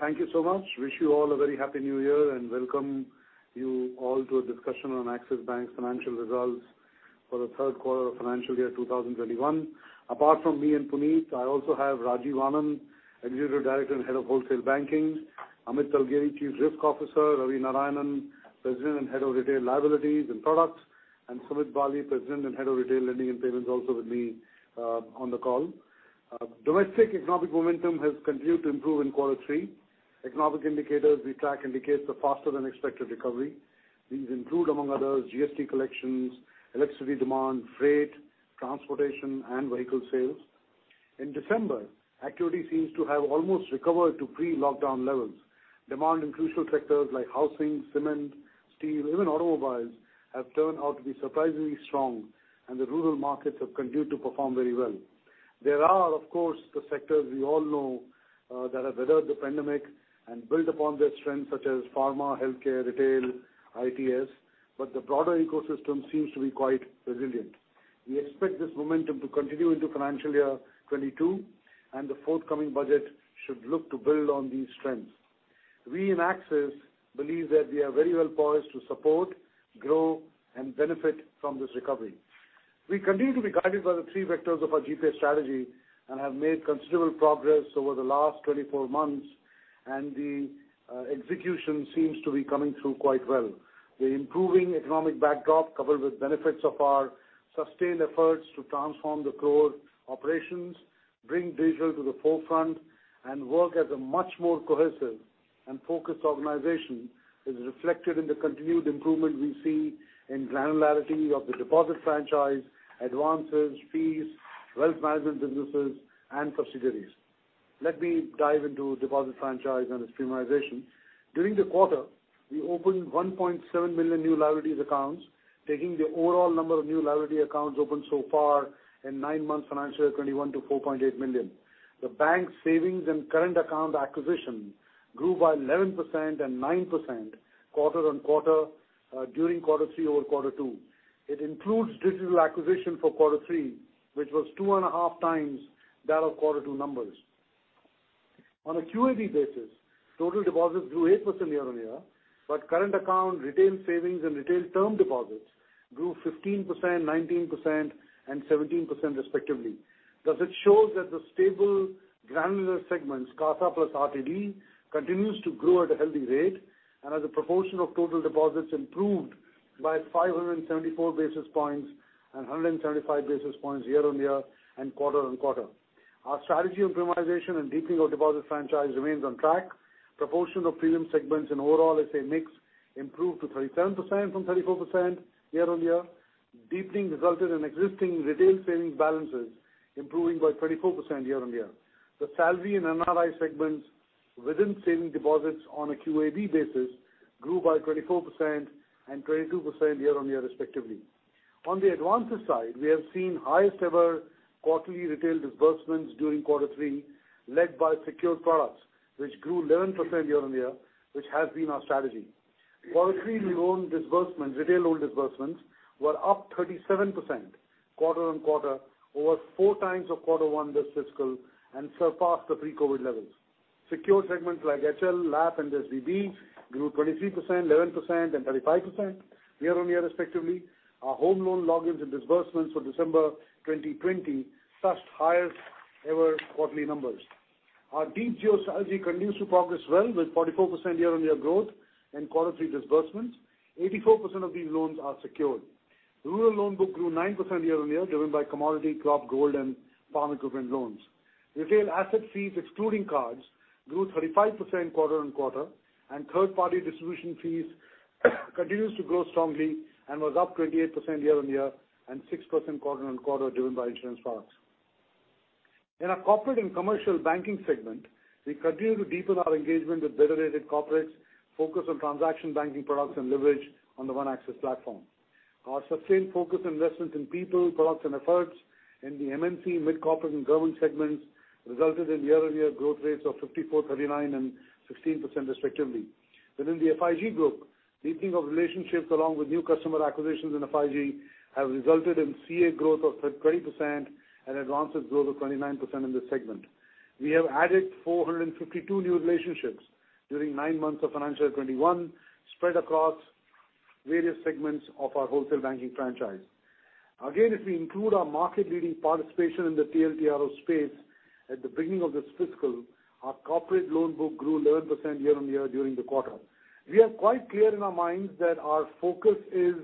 Thank you so much. Wish you all a very happy new year, and welcome you all to a discussion on Axis Bank's financial results for the third quarter of financial year 2021. Apart from me and Puneet, I also have Rajiv Anand, Executive Director and Head of Wholesale Banking; Amit Talgeri, Chief Risk Officer; Ravi Narayanan, President and Head of Retail Liabilities and Products; and Sumit Bali, President and Head of Retail Lending and Payments, also with me on the call. Domestic economic momentum has continued to improve in quarter three. Economic indicators we track indicates a faster than expected recovery. These include, among others, GST collections, electricity demand, freight, transportation, and vehicle sales. In December, activity seems to have almost recovered to pre-lockdown levels. Demand in crucial sectors like housing, cement, steel, even automobiles, have turned out to be surprisingly strong, and the rural markets have continued to perform very well. There are, of course, the sectors we all know, that have weathered the pandemic and built upon their strengths, such as pharma, healthcare, retail, ITES, but the broader ecosystem seems to be quite resilient. We expect this momentum to continue into financial year 2022, and the forthcoming budget should look to build on these trends. We in Axis believe that we are very well poised to support, grow, and benefit from this recovery. We continue to be guided by the three vectors of our GPS strategy, and have made considerable progress over the last 24 months, and the execution seems to be coming through quite well. The improving economic backdrop, coupled with benefits of our sustained efforts to transform the core operations, bring digital to the forefront, and work as a much more cohesive and focused organization, is reflected in the continued improvement we see in granularity of the deposit franchise, advances, fees, wealth management businesses, and subsidiaries. Let me dive into deposit franchise and its premiumization. During the quarter, we opened 1.7 million new liabilities accounts, taking the overall number of new liability accounts opened so far in nine months financial year 2021 to 4.8 million. The bank's savings and current account acquisition grew by 11% and 9% quarter-on-quarter during quarter three over quarter two. It includes digital acquisition for quarter three, which was 2.5 times that of quarter two numbers. On a QAB basis, total deposits grew 8% year-on-year, but current account, retail savings, and retail term deposits grew 15%, 19%, and 17% respectively. Thus, it shows that the stable granular segments, CASA plus RTD, continues to grow at a healthy rate, and as a proportion of total deposits improved by 574 basis points and 175 basis points year-on-year and quarter-on-quarter. Our strategy of premiumization and deepening of deposit franchise remains on track. Proportion of premium segments and overall SA mix improved to 37% from 34% year-on-year. Deepening resulted in existing retail savings balances improving by 24% year-on-year. The salary and NRI segments within savings deposits on a QAB basis grew by 24% and 22% year-on-year respectively. On the advances side, we have seen highest ever quarterly retail disbursements during quarter three, led by secured products, which grew 11% year-on-year, which has been our strategy. Quarter three loan disbursements, retail loan disbursements, were up 37% quarter-on-quarter, over 4 times of quarter one this fiscal, and surpassed the pre-COVID levels. Secured segments like HL, LAP, and SBB grew 23%, 11%, and 35% year-on-year respectively. Our home loan logins and disbursements for December 2020 touched highest ever quarterly numbers. Our Digital strategy continues to progress well, with 44% year-on-year growth in quarter three disbursements. 84% of these loans are secured. Rural loan book grew 9% year-on-year, driven by commodity, crop, gold, and farm equipment loans. Retail asset fees, excluding cards, grew 35% quarter-on-quarter, and third-party distribution fees continues to grow strongly, and was up 28% year-on-year and 6% quarter-on-quarter, driven by insurance products. In our corporate and commercial banking segment, we continue to deepen our engagement with better-rated corporates, focus on transaction banking products, and leverage on the One Axis platform. Our sustained focus and investments in people, products, and efforts in the MNC, mid-corporate, and government segments resulted in year-on-year growth rates of 54%, 39%, and 16% respectively. Within the FIG group, deepening of relationships along with new customer acquisitions in FIG have resulted in CA growth of twenty percent and advances growth of 29% in this segment. We have added 452 new relationships during nine months of financial year 2021, spread across various segments of our wholesale banking franchise. Again, if we include our market-leading participation in the TLTRO space at the beginning of this fiscal, our corporate loan book grew 11% year-on-year during the quarter. We are quite clear in our minds that our focus is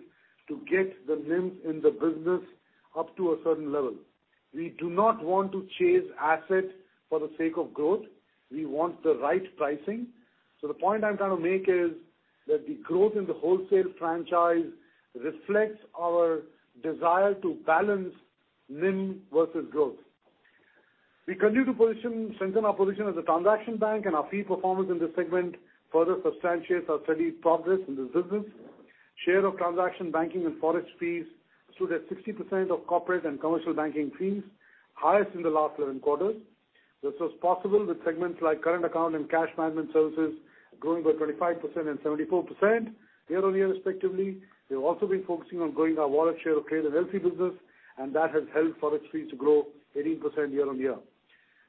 to get the NIMs in the business up to a certain level. We do not want to chase asset for the sake of growth. We want the right pricing. So the point I'm trying to make is that the growth in the wholesale franchise reflects our desire to balance NIM versus growth. We continue to strengthen our position as a transaction bank, and our fee performance in this segment further substantiates our steady progress in this business. Share of transaction banking and Forex fees stood at 60% of corporate and commercial banking fees, highest in the last 11 quarters. This was possible with segments like current account and cash management services, growing by 25% and 74% year-on-year, respectively. We've also been focusing on growing our wallet share of credit and healthy business, and that has helped Forex fees to grow 18% year-on-year.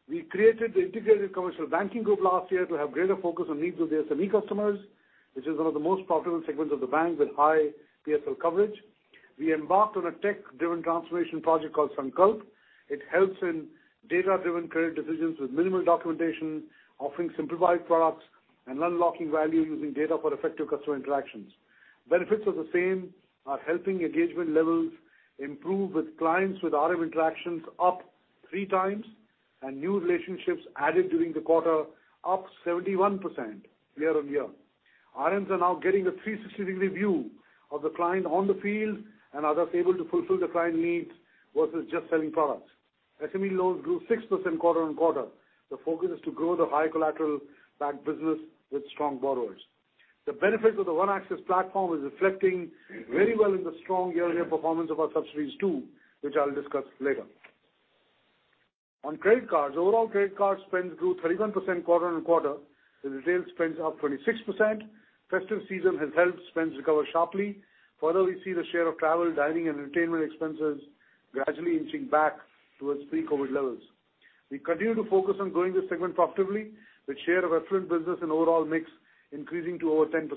We created the Integrated Commercial Banking Group last year to have greater focus on needs of the SME customers, which is one of the most profitable segments of the bank with high PSL coverage. We embarked on a tech-driven transformation project called Sankalp. It helps in data-driven credit decisions with minimal documentation, offering simplified products and unlocking value using data for effective customer interactions. Benefits of the same are helping engagement levels improve with clients, with RM interactions up three times, and new relationships added during the quarter up 71% year-on-year. RMs are now getting a 360-degree view of the client on the field and are thus able to fulfill the client needs versus just selling products. SME loans grew 6% quarter-on-quarter. The focus is to grow the high collateral-backed business with strong borrowers. The benefits of the One Axis platform is reflecting very well in the strong year-on-year performance of our subsidiaries, too, which I'll discuss later. On credit cards, overall credit card spends grew 31% quarter-on-quarter, with retail spends up 26%. Festive season has helped spends recover sharply. Further, we see the share of travel, dining, and entertainment expenses gradually inching back towards pre-COVID levels. We continue to focus on growing this segment profitably, with share of affluent business and overall mix increasing to over 10%.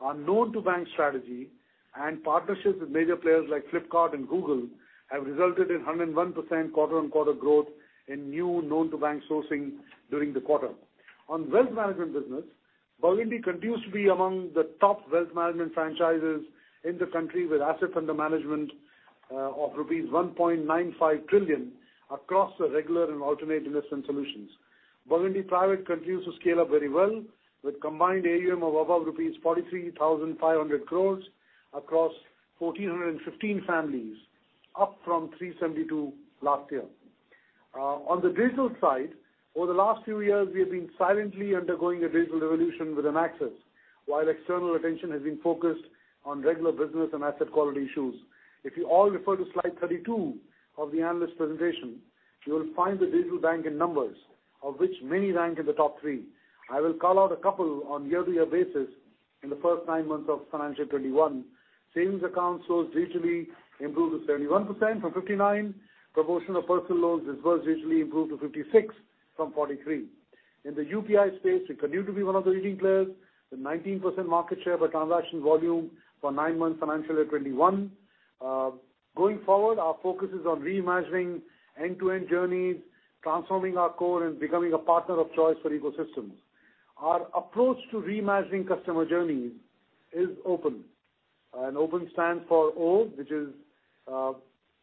Our new-to-bank strategy and partnerships with major players like Flipkart and Google have resulted in 101% quarter-on-quarter growth in new-to-bank sourcing during the quarter. On wealth management business, Burgundy continues to be among the top wealth management franchises in the country, with assets under management of rupees 1.95 trillion across the regular and alternate investment solutions. Burgundy Private continues to scale up very well, with combined AUM of above rupees 43,500 crore across 1,415 families, up from 372 last year. On the digital side, over the last few years, we have been silently undergoing a digital revolution within Axis, while external attention has been focused on regular business and asset quality issues. If you all refer to slide 32 of the analyst presentation, you will find the digital bank in numbers, of which many rank in the top three. I will call out a couple on year-to-year basis in the first nine months of financial 2021. Savings accounts sourced digitally improved to 31% from 59%. Proportion of personal loans dispersed digitally improved to 56% from 43%. In the UPI space, we continue to be one of the leading players, with 19% market share by transaction volume for nine months financial year 2021. Going forward, our focus is on reimagining end-to-end journeys, transforming our core, and becoming a partner of choice for ecosystems. Our approach to reimagining customer journeys is OPEN. OPEN stands for O, which is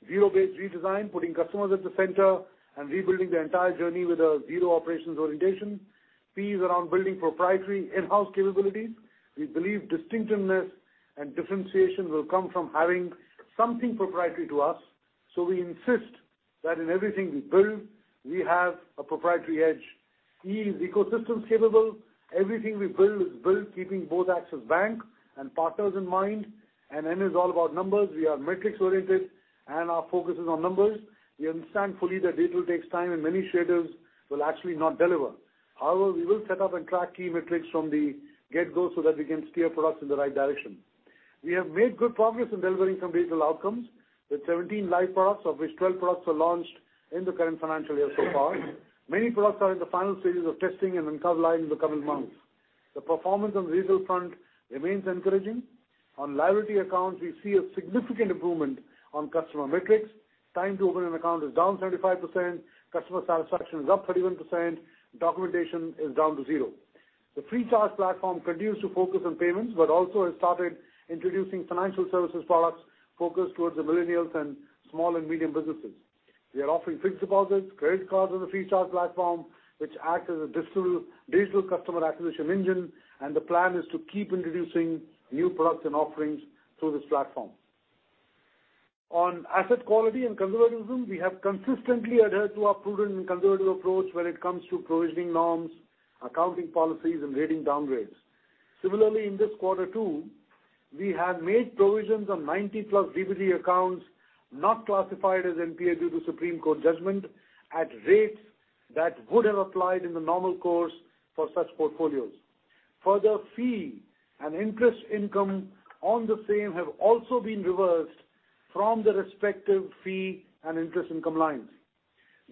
zero-based redesign, putting customers at the center and rebuilding the entire journey with a zero operations orientation. P is around building proprietary in-house capabilities. We believe distinctiveness and differentiation will come from having something proprietary to us, so we insist that in everything we build, we have a proprietary edge. E is ecosystem capable. Everything we build is built keeping both Axis Bank and partners in mind, and N is all about numbers. We are metrics-oriented, and our focus is on numbers. We understand fully that digital takes time, and many strategies will actually not deliver. However, we will set up and track key metrics from the get-go so that we can steer products in the right direction. We have made good progress in delivering some digital outcomes, with 17 live products, of which 12 products were launched in the current financial year so far. Many products are in the final stages of testing and will come live in the coming months. The performance on the digital front remains encouraging. On liability accounts, we see a significant improvement on customer metrics. Time to open an account is down 75%, customer satisfaction is up 31%, documentation is down to zero. The FreeCharge platform continues to focus on payments, but also has started introducing financial services products focused towards the millennials and small and medium businesses. We are offering fixed deposits, credit cards on the FreeCharge platform, which act as a digital customer acquisition engine, and the plan is to keep introducing new products and offerings through this platform. On asset quality and conservatism, we have consistently adhered to our prudent and conservative approach when it comes to provisioning norms, accounting policies, and rating downgrades. Similarly, in this quarter, too, we have made provisions on 90+ DPD accounts not classified as NPA due to Supreme Court judgment, at rates that would have applied in the normal course for such portfolios. Further, fee and interest income on the same have also been reversed from the respective fee and interest income lines.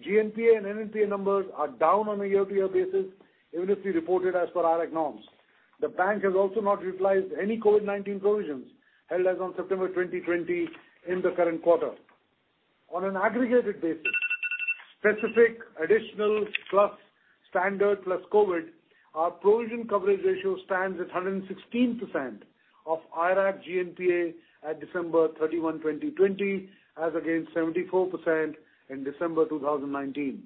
GNPA and NNPA numbers are down on a year-to-year basis, even if we reported as per IRAC norms. The bank has also not realized any COVID-19 provisions, held as on September 2020, in the current quarter. On an aggregated basis, specific, additional, plus standard, plus COVID, our provision coverage ratio stands at 116% of IRAC GNPA at December 31, 2020, as against 74% in December 2019.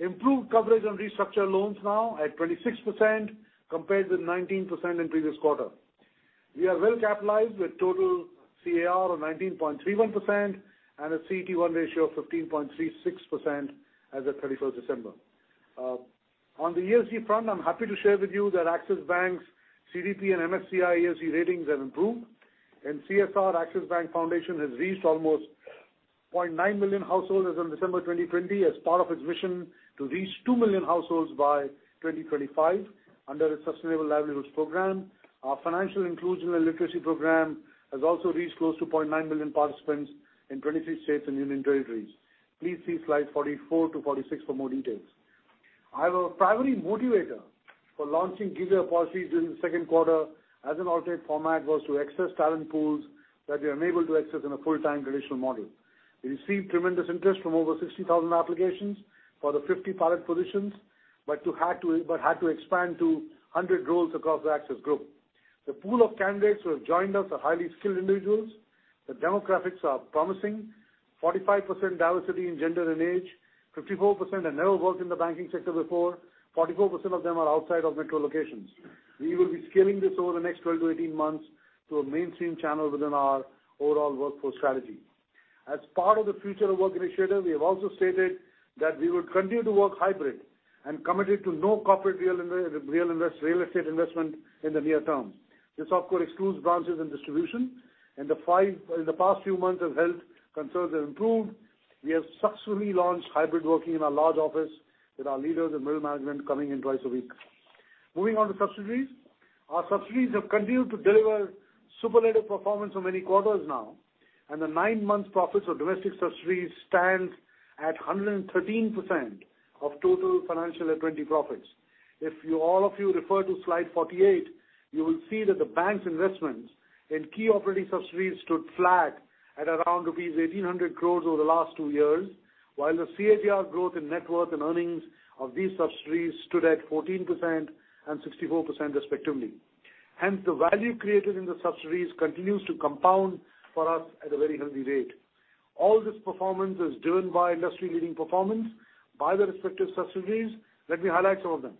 Improved coverage on restructured loans now at 26%, compared with 19% in previous quarter. We are well capitalized with total CAR of 19.31% and a CET1 ratio of 15.36% as at 31st December. On the ESG front, I'm happy to share with you that Axis Bank's CDP and MSCI ESG ratings have improved, and CSR Axis Bank Foundation has reached almost 0.9 million households as on December 2020, as part of its mission to reach 2 million households by 2025, under its sustainable livelihoods program. Our financial inclusion and literacy program has also reached close to 0.9 million participants in 23 states and union territories. Please see Slides 44-46 for more details. Our primary motivator for launching GIG-A-Opportunities during the second quarter as an alternate format, was to access talent pools that we are unable to access in a full-time traditional model. We received tremendous interest from over 60,000 applications for the 50 pilot positions, but had to expand to 100 roles across the Axis Group. The pool of candidates who have joined us are highly skilled individuals. The demographics are promising. 45% diversity in gender and age, 54% have never worked in the banking sector before, 44% of them are outside of metro locations. We will be scaling this over the next 12-18 months to a mainstream channel within our overall workforce strategy. As part of the future of work initiative, we have also stated that we will continue to work hybrid and committed to no corporate real estate investment in the near term. This, of course, excludes branches and distribution, and the five-, in the past few months, as health concerns have improved, we have successfully launched hybrid working in our large office, with our leaders and middle management coming in twice a week. Moving on to subsidiaries. Our subsidiaries have continued to deliver superlative performance for many quarters now, and the nine-month profits of domestic subsidiaries stand at 113% of total financial year 2020 profits. If you, all of you refer to slide 48, you will see that the bank's investments in key operating subsidiaries stood flat at around rupees 1,800 crore over the last two years, while the CAGR growth in net worth and earnings of these subsidiaries stood at 14% and 64%, respectively. Hence, the value created in the subsidiaries continues to compound for us at a very healthy rate. All this performance is driven by industry-leading performance by the respective subsidiaries. Let me highlight some of them.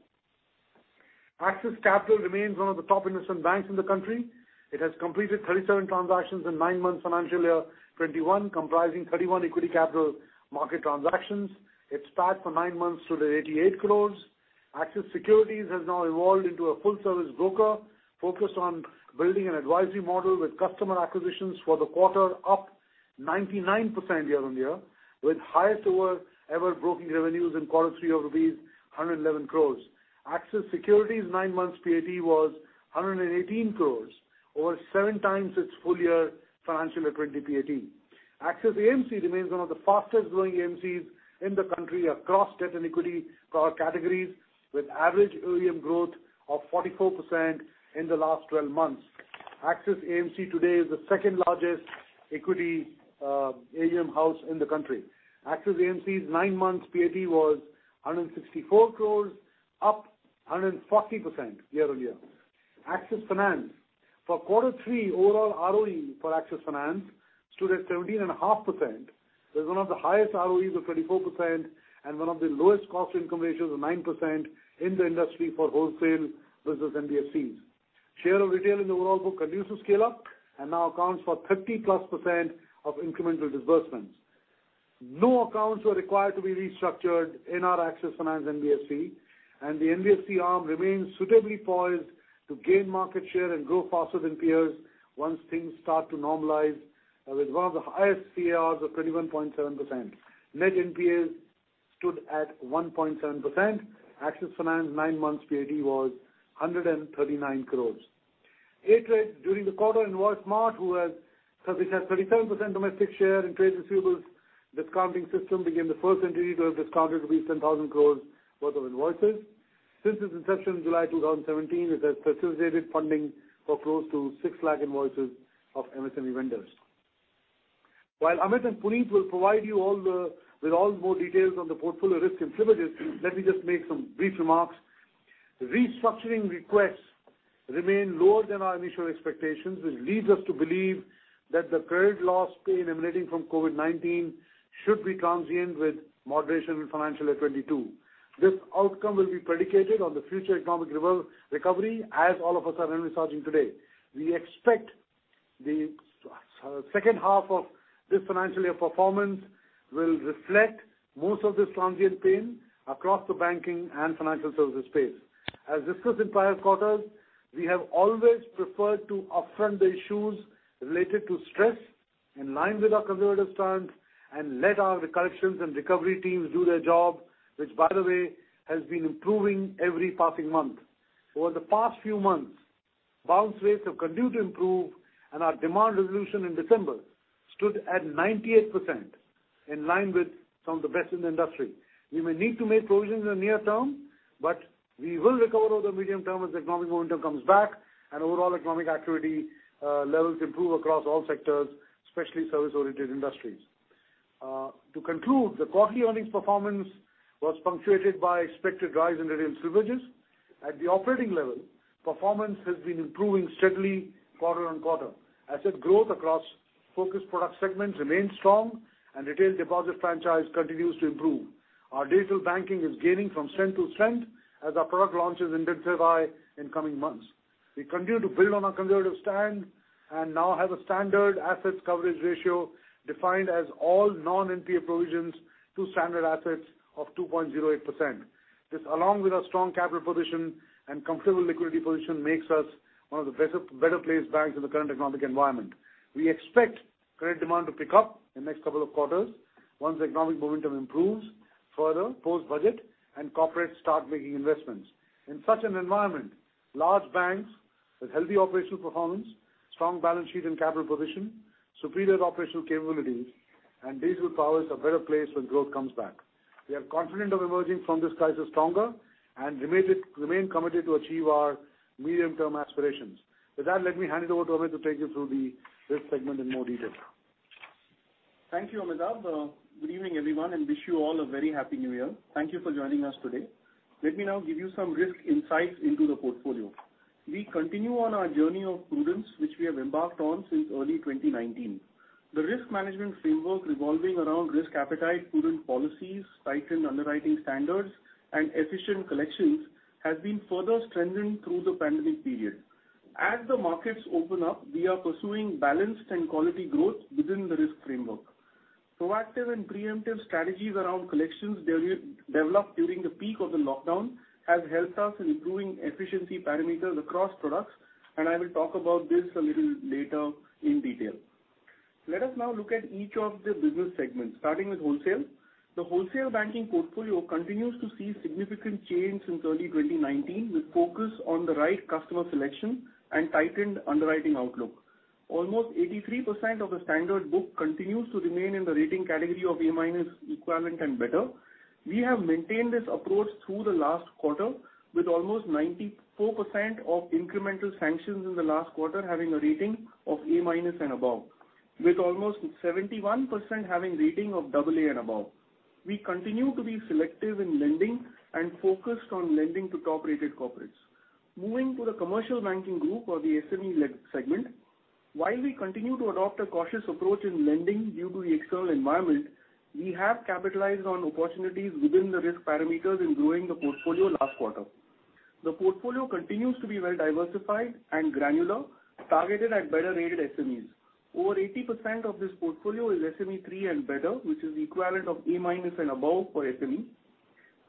Axis Capital remains one of the top investment banks in the country. It has completed 37 transactions in nine months, financial year 2021, comprising 31 equity capital market transactions. It's flat for 9 months to 88 crore. Axis Securities has now evolved into a full-service broker, focused on building an advisory model with customer acquisitions for the quarter up 99% year-on-year, with highest ever broking revenues in quarter three of rupees 111 crore. Axis Securities' nine months PAT was 118 crore, over seven times its full year financial year 2020 PAT. Axis AMC remains one of the fastest growing AMCs in the country across debt and equity core categories, with average AUM growth of 44% in the last 12 months. Axis AMC today is the second largest equity AUM house in the country. Axis AMC's nine months PAT was 164 crore, up 140% year-on-year. Axis Finance. For quarter three, overall ROE for Axis Finance stood at 17.5%, with one of the highest ROEs of 24%, and one of the lowest cost income ratios of 9% in the industry for wholesale versus NBFCs. Share of retail in the overall book continues to scale up and now accounts for 30+% of incremental disbursements. No accounts were required to be restructured in our Axis Finance NBFC, and the NBFC arm remains suitably poised to gain market share and grow faster than peers once things start to normalize, with one of the highest CARs of 21.7%. Net NPAs stood at 1.7%. Axis Finance nine months PAT was 139 crore. A.TReDS, during the quarter, Invoicemart, who has, has a 37% domestic share in trade receivables discounting system, became the first entity to have discounted 10,000 crore worth of invoices. Since its inception in July 2017, it has facilitated funding for close to 600,000 invoices of MSME vendors. While Amit and Puneet will provide you all the- with all the more details on the portfolio risk and provisions, let me just make some brief remarks. Restructuring requests remain lower than our initial expectations, which leads us to believe that the credit loss pain emanating from COVID-19 should be transient with moderation in financial year 2022. This outcome will be predicated on the future economic recovery, as all of us are researching today. We expect the second half of this financial year performance will reflect most of this transient pain across the banking and financial services space. As discussed in prior quarters, we have always preferred to upfront the issues related to stress, in line with our conservative stance, and let our collections and recovery teams do their job, which, by the way, has been improving every passing month. Over the past few months, bounce rates have continued to improve, and our demand resolution in December stood at 98%, in line with some of the best in the industry. We may need to make provisions in the near term, but we will recover over the medium term as economic momentum comes back and overall economic activity levels improve across all sectors, especially service-oriented industries. To conclude, the quarter earnings performance was punctuated by expected rise in retail privileges. At the operating level, performance has been improving steadily quarter-over-quarter. Asset growth across focused product segments remains strong, and retail deposit franchise continues to improve. Our digital banking is gaining from strength to strength as our product launches intensify in coming months. We continue to build on our conservative stand and now have a standard assets coverage ratio defined as all non-NPA provisions to standard assets of 2.08%. This, along with our strong capital position and comfortable liquidity position, makes us one of the better, better placed banks in the current economic environment. We expect credit demand to pick up in the next couple of quarters once economic momentum improves... further post-budget and corporate start making investments. In such an environment, large banks with healthy operational performance, strong balance sheet and capital position, superior operational capabilities, and digital powers are better placed when growth comes back. We are confident of emerging from this crisis stronger and remain committed to achieve our medium-term aspirations. With that, let me hand it over to Amit to take you through the risk segment in more detail. Thank you, Amitabh. Good evening, everyone, and wish you all a very Happy New Year. Thank you for joining us today. Let me now give you some risk insights into the portfolio. We continue on our journey of prudence, which we have embarked on since early 2019. The risk management framework revolving around risk appetite, prudent policies, tightened underwriting standards, and efficient collections, has been further strengthened through the pandemic period. As the markets open up, we are pursuing balanced and quality growth within the risk framework. Proactive and preemptive strategies around collections developed during the peak of the lockdown, has helped us in improving efficiency parameters across products, and I will talk about this a little later in detail. Let us now look at each of the business segments, starting with wholesale. The wholesale banking portfolio continues to see significant change since early 2019, with focus on the right customer selection and tightened underwriting outlook. Almost 83% of the standard book continues to remain in the rating category of A-minus equivalent and better. We have maintained this approach through the last quarter, with almost 94% of incremental sanctions in the last quarter having a rating of A-minus and above, with almost 71% having rating of AA and above. We continue to be selective in lending and focused on lending to top-rated corporates. Moving to the commercial banking group or the SME-led segment, while we continue to adopt a cautious approach in lending due to the external environment, we have capitalized on opportunities within the risk parameters in growing the portfolio last quarter. The portfolio continues to be well-diversified and granular, targeted at better-rated SMEs. Over 80% of this portfolio is SME 3 and better, which is equivalent of A- and above for SME.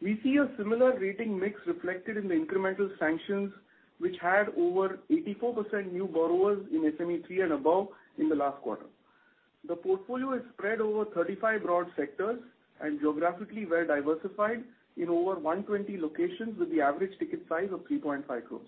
We see a similar rating mix reflected in the incremental sanctions, which had over 84% new borrowers in SME 3 and above in the last quarter. The portfolio is spread over 35 broad sectors and geographically well-diversified in over 120 locations, with the average ticket size of 3.5 crore.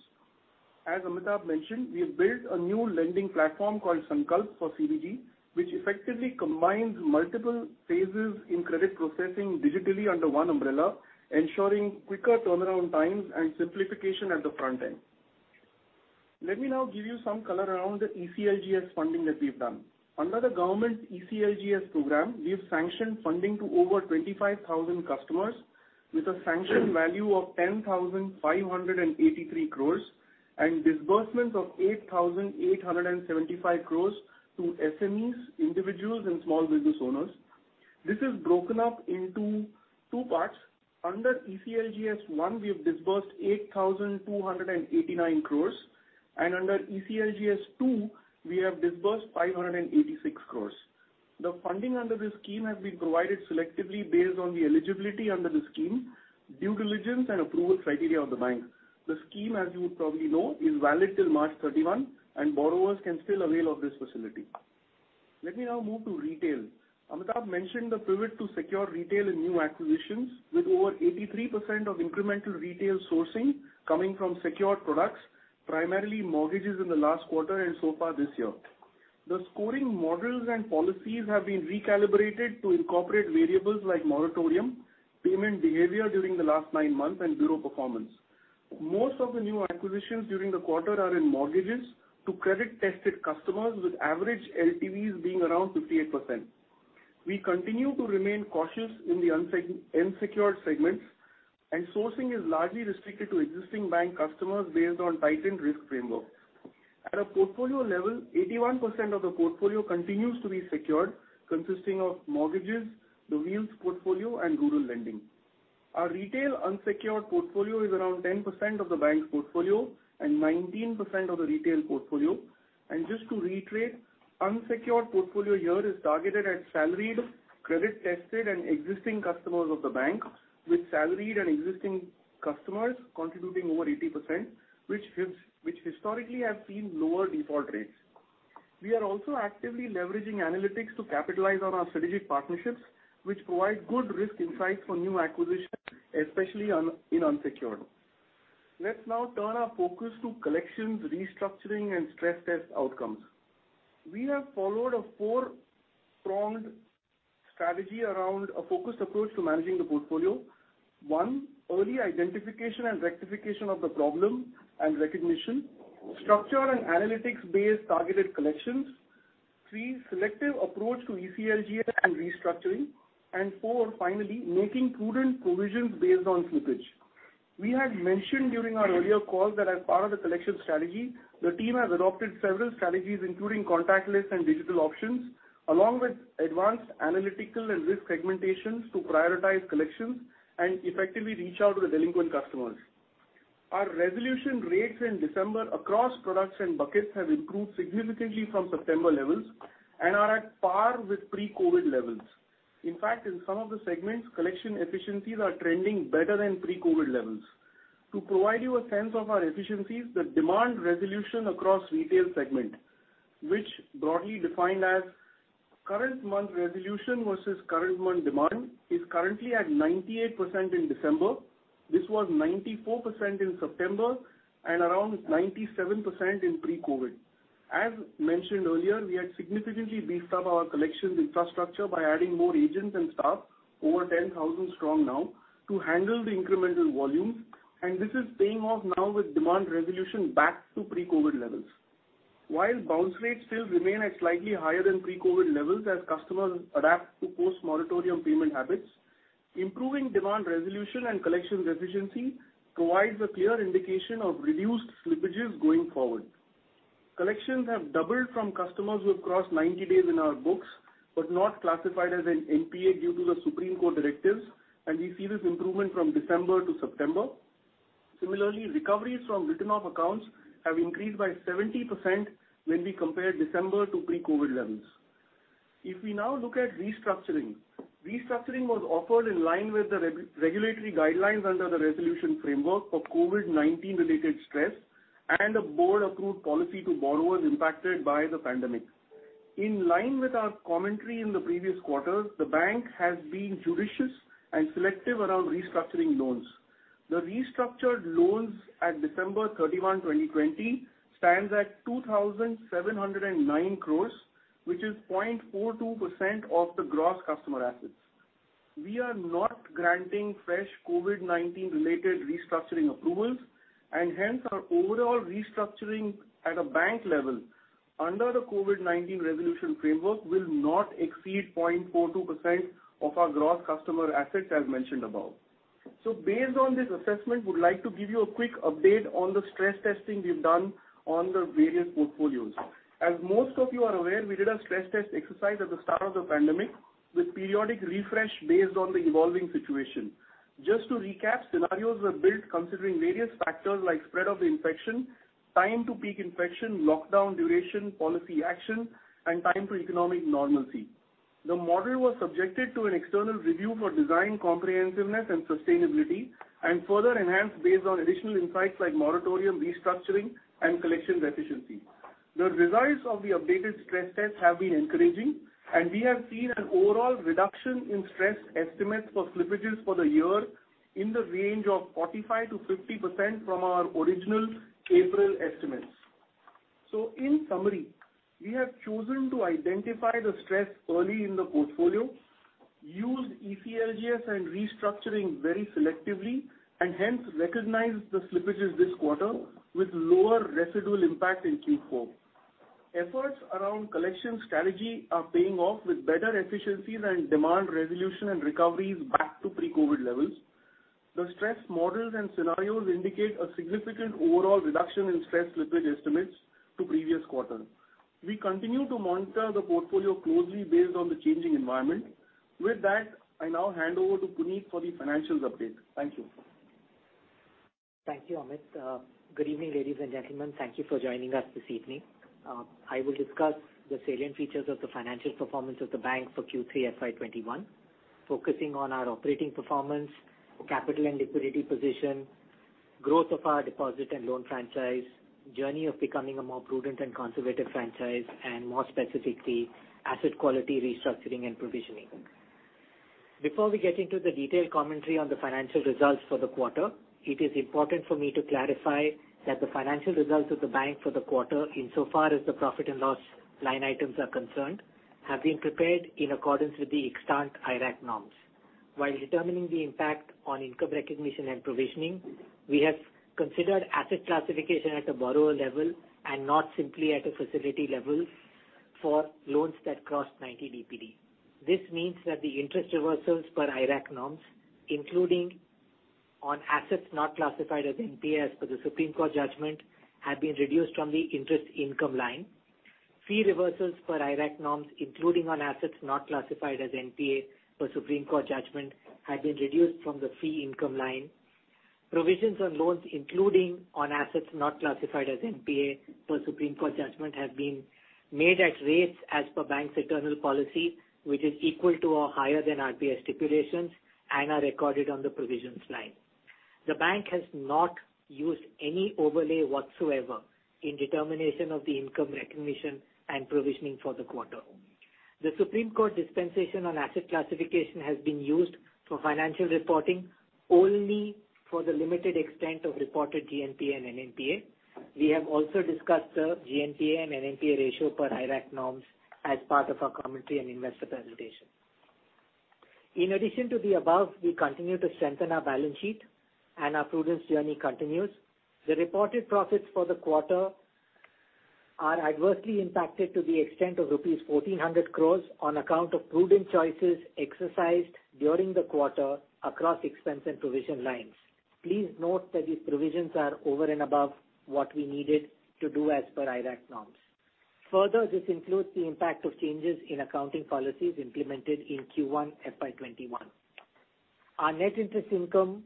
As Amitabh mentioned, we have built a new lending platform called Sankalp for CBG, which effectively combines multiple phases in credit processing digitally under one umbrella, ensuring quicker turnaround times and simplification at the front end. Let me now give you some color around the ECLGS funding that we've done. Under the government's ECLGS program, we've sanctioned funding to over 25,000 customers, with a sanctioned value of 10,583 crore and disbursements of 8,875 crore to SMEs, individuals, and small business owners. This is broken up into two parts. Under ECLGS one, we have disbursed 8,289 crore, and under ECLGS two, we have disbursed 586 crore. The funding under this scheme has been provided selectively based on the eligibility under the scheme, due diligence and approval criteria of the bank. The scheme, as you would probably know, is valid till March 31, and borrowers can still avail of this facility. Let me now move to retail. Amitabh mentioned the pivot to secure retail and new acquisitions, with over 83% of incremental retail sourcing coming from secured products, primarily mortgages in the last quarter and so far this year. The scoring models and policies have been recalibrated to incorporate variables like moratorium, payment behavior during the last nine months, and bureau performance. Most of the new acquisitions during the quarter are in mortgages to credit-tested customers, with average LTVs being around 58%. We continue to remain cautious in the unsecured segments, and sourcing is largely restricted to existing bank customers based on tightened risk framework. At a portfolio level, 81% of the portfolio continues to be secured, consisting of mortgages, the wheels portfolio, and rural lending. Our retail unsecured portfolio is around 10% of the bank's portfolio and 19% of the retail portfolio. Just to reiterate, unsecured portfolio here is targeted at salaried, credit-tested, and existing customers of the bank, with salaried and existing customers contributing over 80%, which historically have seen lower default rates. We are also actively leveraging analytics to capitalize on our strategic partnerships, which provide good risk insights for new acquisitions, especially in unsecured. Let's now turn our focus to collections, restructuring, and stress test outcomes. We have followed a four-pronged strategy around a focused approach to managing the portfolio. One, early identification and rectification of the problem and recognition, structure and analytics-based targeted collections, three, selective approach to ECLGS and restructuring, and four, finally, making prudent provisions based on slippage. We had mentioned during our earlier calls that as part of the collection strategy, the team has adopted several strategies, including contactless and digital options, along with advanced analytical and risk segmentations to prioritize collections and effectively reach out to the delinquent customers. Our resolution rates in December across products and buckets have improved significantly from September levels and are at par with pre-COVID levels. In fact, in some of the segments, collection efficiencies are trending better than pre-COVID levels. To provide you a sense of our efficiencies, the demand resolution across retail segment, which broadly defined as current month resolution versus current month demand, is currently at 98% in December. This was 94% in September and around 97% in pre-COVID. As mentioned earlier, we had significantly beefed up our collections infrastructure by adding more agents and staff, over 10,000 strong now, to handle the incremental volumes, and this is paying off now with demand resolution back to pre-COVID levels. While bounce rates still remain at slightly higher than pre-COVID levels as customers adapt to post-moratorium payment habits, improving demand resolution and collections efficiency provides a clear indication of reduced slippages going forward. Collections have doubled from customers who have crossed 90 days in our books, but not classified as an NPA due to the Supreme Court directives, and we see this improvement from December to September. Similarly, recoveries from written-off accounts have increased by 70% when we compare December to pre-COVID levels. If we now look at restructuring, restructuring was offered in line with the regulatory guidelines under the resolution framework for COVID-19 related stress and a board-approved policy to borrowers impacted by the pandemic. In line with our commentary in the previous quarters, the bank has been judicious and selective around restructuring loans. The restructured loans at December 31, 2020, stands at 2,709 crore, which is 0.42% of the gross customer assets. We are not granting fresh COVID-19 related restructuring approvals, and hence, our overall restructuring at a bank level, under the COVID-19 resolution framework, will not exceed 0.42% of our gross customer assets, as mentioned above. So based on this assessment, we'd like to give you a quick update on the stress testing we've done on the various portfolios. As most of you are aware, we did a stress test exercise at the start of the pandemic with periodic refresh based on the evolving situation. Just to recap, scenarios were built considering various factors like spread of the infection, time to peak infection, lockdown duration, policy action, and time to economic normalcy. The model was subjected to an external review for design comprehensiveness and sustainability, and further enhanced based on additional insights like moratorium, restructuring, and collections efficiency. The results of the updated stress tests have been encouraging, and we have seen an overall reduction in stress estimates for slippages for the year in the range of 45%-50% from our original April estimates. So in summary, we have chosen to identify the stress early in the portfolio, use ECLGS and restructuring very selectively, and hence recognize the slippages this quarter with lower residual impact in Q4. Efforts around collection strategy are paying off with better efficiencies and demand resolution and recoveries back to pre-COVID levels. The stress models and scenarios indicate a significant overall reduction in stress slippage estimates to previous quarter. We continue to monitor the portfolio closely based on the changing environment. With that, I now hand over to Puneet for the financials update. Thank you. Thank you, Amit. Good evening, ladies and gentlemen. Thank you for joining us this evening. I will discuss the salient features of the financial performance of the bank for Q3 FY 2021, focusing on our operating performance, capital and liquidity position, growth of our deposit and loan franchise, journey of becoming a more prudent and conservative franchise, and more specifically, asset quality, restructuring, and provisioning. Before we get into the detailed commentary on the financial results for the quarter, it is important for me to clarify that the financial results of the bank for the quarter, insofar as the profit and loss line items are concerned, have been prepared in accordance with the extant IRAC norms. While determining the impact on income recognition and provisioning, we have considered asset classification at a borrower level and not simply at a facility level for loans that crossed 90 DPD. This means that the interest reversals per IRAC norms, including on assets not classified as NPA, as per the Supreme Court judgment, have been reduced from the interest income line. Fee reversals per IRAC norms, including on assets not classified as NPA per Supreme Court judgment, have been reduced from the fee income line. Provisions on loans, including on assets not classified as NPA per Supreme Court judgment, have been made at rates as per bank's internal policy, which is equal to or higher than RBI stipulations and are recorded on the provisions line. The bank has not used any overlay whatsoever in determination of the income recognition and provisioning for the quarter. The Supreme Court dispensation on asset classification has been used for financial reporting only for the limited extent of reported GNPA and NNPA. We have also discussed the GNPA and NNPA ratio per IRAC norms as part of our commentary and investor presentation. In addition to the above, we continue to strengthen our balance sheet, and our prudence journey continues. The reported profits for the quarter are adversely impacted to the extent of rupees 1,400 crore on account of prudent choices exercised during the quarter across expense and provision lines. Please note that these provisions are over and above what we needed to do as per IRAC norms. Further, this includes the impact of changes in accounting policies implemented in Q1 FY 2021. Our net interest income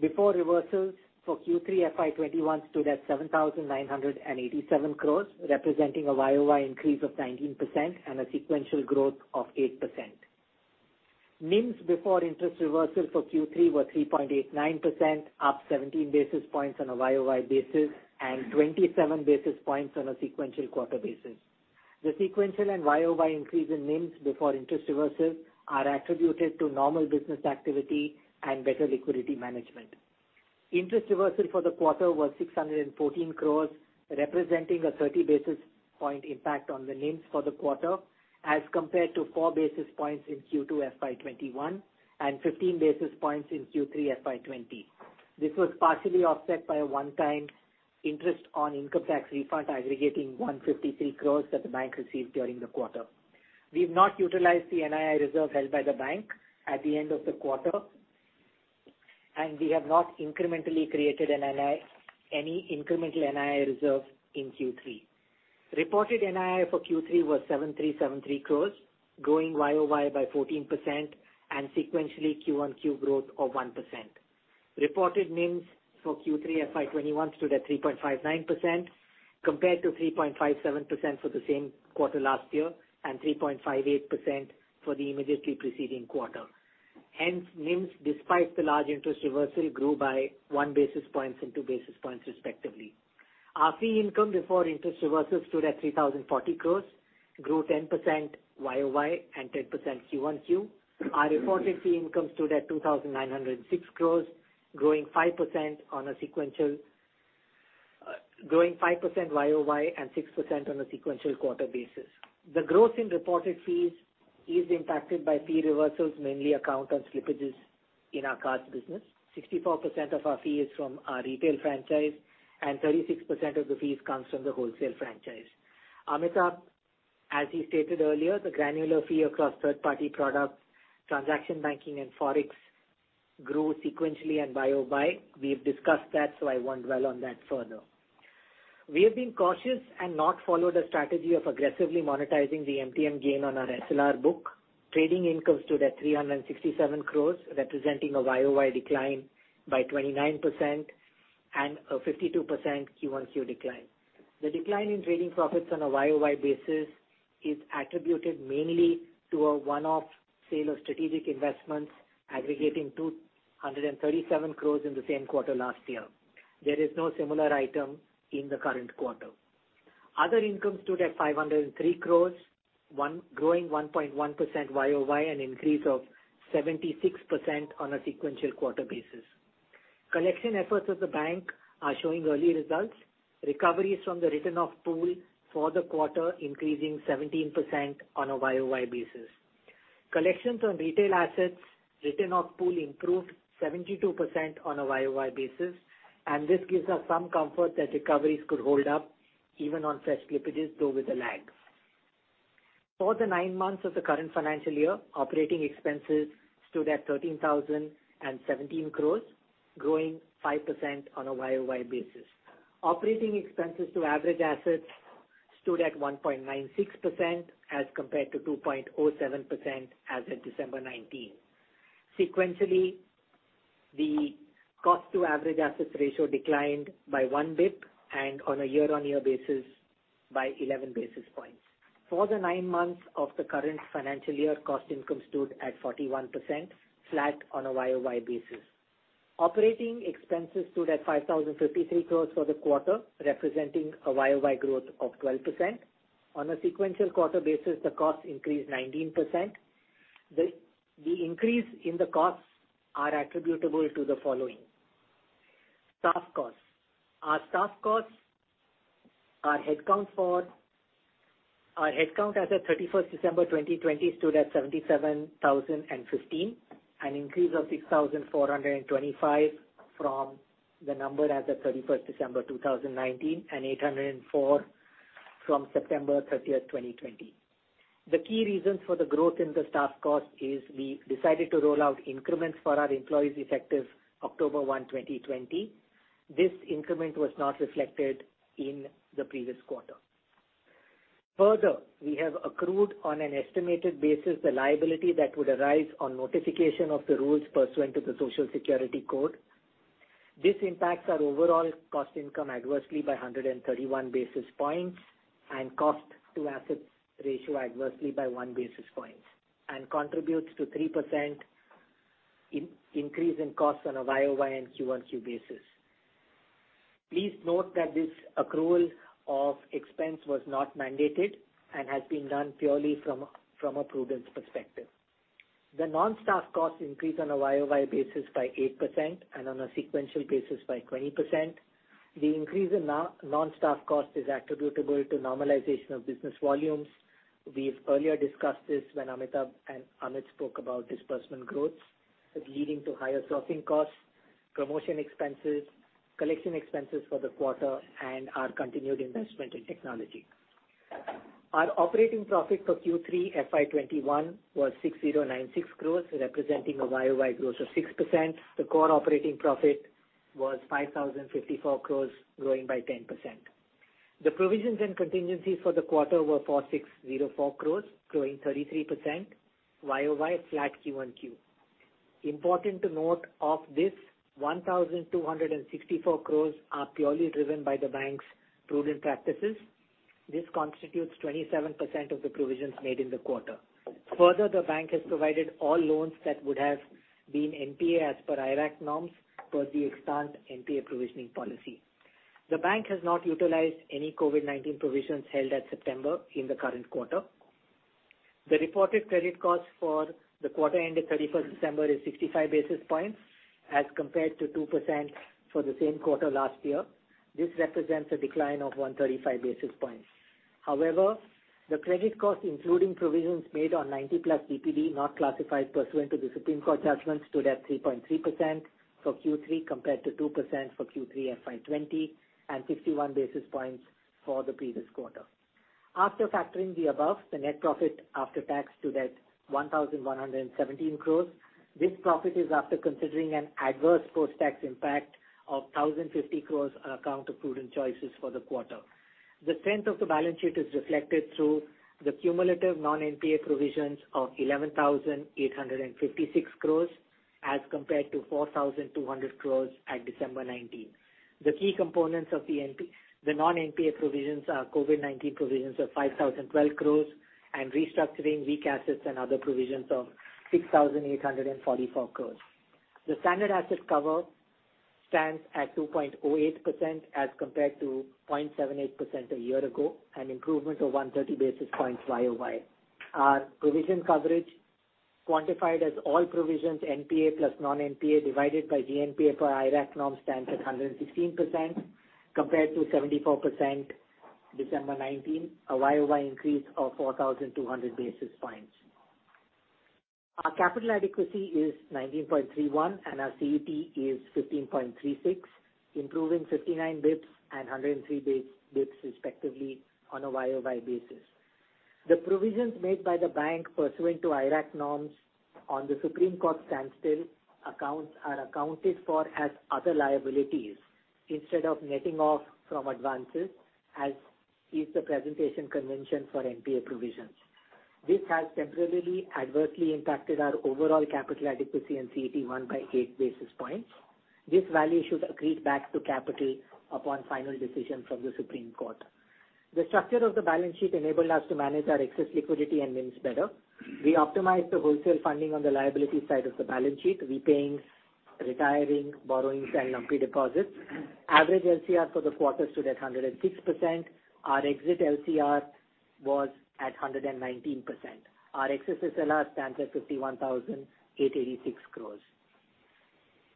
before reversals for Q3 FY 2021 stood at 7,987 crore, representing a YOY increase of 19% and a sequential growth of 8%. NIMs before interest reversal for Q3 were 3.89%, up 17 basis points on a YOY basis, and 27 basis points on a sequential quarter basis. The sequential and YOY increase in NIMs before interest reversals are attributed to normal business activity and better liquidity management. Interest reversal for the quarter was 614 crore, representing a 30 basis point impact on the NIMs for the quarter, as compared to 4 basis points in Q2 FY 2021 and 15 basis points in Q3 FY 2020. This was partially offset by a one-time interest on income tax refund, aggregating 153 crore that the bank received during the quarter. We've not utilized the NII reserve held by the bank at the end of the quarter, and we have not incrementally created an NII, any incremental NII reserve in Q3. Reported NII for Q3 was 7,373 crore, growing 14% YOY and sequentially Q1Q growth of 1%. Reported NIMS for Q3 FY 2021 stood at 3.59%, compared to 3.57% for the same quarter last year, and 3.58% for the immediately preceding quarter. Hence, NIMS, despite the large interest reversal, grew by one basis points and two basis points, respectively. Our fee income before interest reversals stood at 3,040 crore, grew 10% YOY and 10% Q1Q. Our reported fee income stood at 2,906 crore, growing five percent on a sequential, growing five percent YOY and six percent on a sequential quarter basis. The growth in reported fees is impacted by fee reversals, mainly account and slippages in our cards business. 64% of our fee is from our retail franchise, and 36% of the fees comes from the wholesale franchise. Amitabh, as he stated earlier, the granular fee across third-party products, transaction banking, and Forex grew sequentially and YOY. We've discussed that, so I won't dwell on that further. We have been cautious and not followed a strategy of aggressively monetizing the MTM gain on our SLR book. Trading income stood at 367 crore, representing a YOY decline by 29% and a 52% Q1Q decline. The decline in trading profits on a YOY basis is attributed mainly to a one-off sale of strategic investments aggregating 237 crore in the same quarter last year. There is no similar item in the current quarter. Other income stood at 503 crore, growing 1.1% YOY, an increase of 76% on a sequential quarter basis. Collection efforts of the bank are showing early results. Recoveries from the written-off pool for the quarter, increasing 17% on a YOY basis. Collections on retail assets written off pool improved 72% on a YOY basis, and this gives us some comfort that recoveries could hold up even on fresh slippages, though with a lag. For the nine months of the current financial year, operating expenses stood at 13,017 crore, growing 5% on a YOY basis. Operating expenses to average assets stood at 1.96%, as compared to 2.07% as of December 2019. Sequentially, the cost to average assets ratio declined by 1 basis point, and on a year-over-year basis by 11 basis points. For the nine months of the current financial year, cost income stood at 41%, flat on a year-over-year basis. Operating expenses stood at 5,053 crore for the quarter, representing a year-over-year growth of 12%. On a sequential quarter basis, the cost increased 19%. The increase in the costs are attributable to the following: Staff costs. Our staff costs, our headcount as at December 31, 2020, stood at 77,015, an increase of 6,425 from the number as of December 31, 2019, and 804 from September 30, 2020. The key reasons for the growth in the staff cost is we decided to roll out increments for our employees effective October 1, 2020. This increment was not reflected in the previous quarter. Further, we have accrued, on an estimated basis, the liability that would arise on notification of the rules pursuant to the Social Security Code. This impacts our overall cost income adversely by 131 basis points, and cost to assets ratio adversely by 1 basis point, and contributes to 3% increase in costs on a YOY and Q1Q basis. Please note that this accrual of expense was not mandated and has been done purely from a prudence perspective. The non-staff costs increased on a YOY basis by 8% and on a sequential basis by 20%. The increase in non-staff costs is attributable to normalization of business volumes. We've earlier discussed this when Amitabh and Amit spoke about disbursement growth, leading to higher sourcing costs, promotion expenses, collection expenses for the quarter, and our continued investment in technology. Our operating profit for Q3 FY 2021 was 6,096 crore, representing a YOY growth of 6%. The core operating profit was 5,054 crore, growing by 10%. The provisions and contingencies for the quarter were 4,604 crore, growing 33% YOY, flat QoQ. Important to note, of this, 1,264 crore are purely driven by the bank's prudent practices. This constitutes 27% of the provisions made in the quarter. Further, the bank has provided all loans that would have been NPA as per IRAC norms per the extant NPA provisioning policy. The bank has not utilized any COVID-19 provisions held at September in the current quarter. The reported credit cost for the quarter ended 31 December is 65 basis points, as compared to 2% for the same quarter last year. This represents a decline of 135 basis points. However, the credit cost, including provisions made on 90+ DPD, not classified pursuant to the Supreme Court judgment, stood at 3.3% for Q3, compared to 2% for Q3 FY 2020, and 51 basis points for the previous quarter. After factoring the above, the net profit after tax stood at 1,117 crore. This profit is after considering an adverse post-tax impact of 1,050 crore on account of prudent choices for the quarter. The strength of the balance sheet is reflected through the cumulative non-NPA provisions of 11,856 crore, as compared to 4,200 crore at December 2019. The key components of the non-NPA provisions are COVID-19 provisions of 5,012 crore and restructuring weak assets and other provisions of 6,844 crore. The standard asset cover stands at 2.08%, as compared to 0.78% a year ago, an improvement of 130 basis points YOY. Our provision coverage, quantified as all provisions, NPA plus non-NPA, divided by GNPA per IRAC norm, stands at 116%, compared to 74% December 2019, a YOY increase of 4,200 basis points. Our capital adequacy is 19.31, and our CET1 is 15.36, improving 59 basis points and 103 basis points, respectively, on a YOY basis. The provisions made by the bank pursuant to IRAC norms on the Supreme Court standstill accounts are accounted for as other liabilities instead of netting off from advances, as is the presentation convention for NPA provisions. This has temporarily adversely impacted our overall capital adequacy and CET1 by eight basis points. This value should accrete back to capital upon final decision from the Supreme Court. The structure of the balance sheet enabled us to manage our excess liquidity and wins better. We optimized the wholesale funding on the liability side of the balance sheet, repaying, retiring, borrowings, and lump deposits. Average LCR for the quarter stood at 106%. Our exit LCR was at 119%. Our excess SLR stands at 51,886 crore.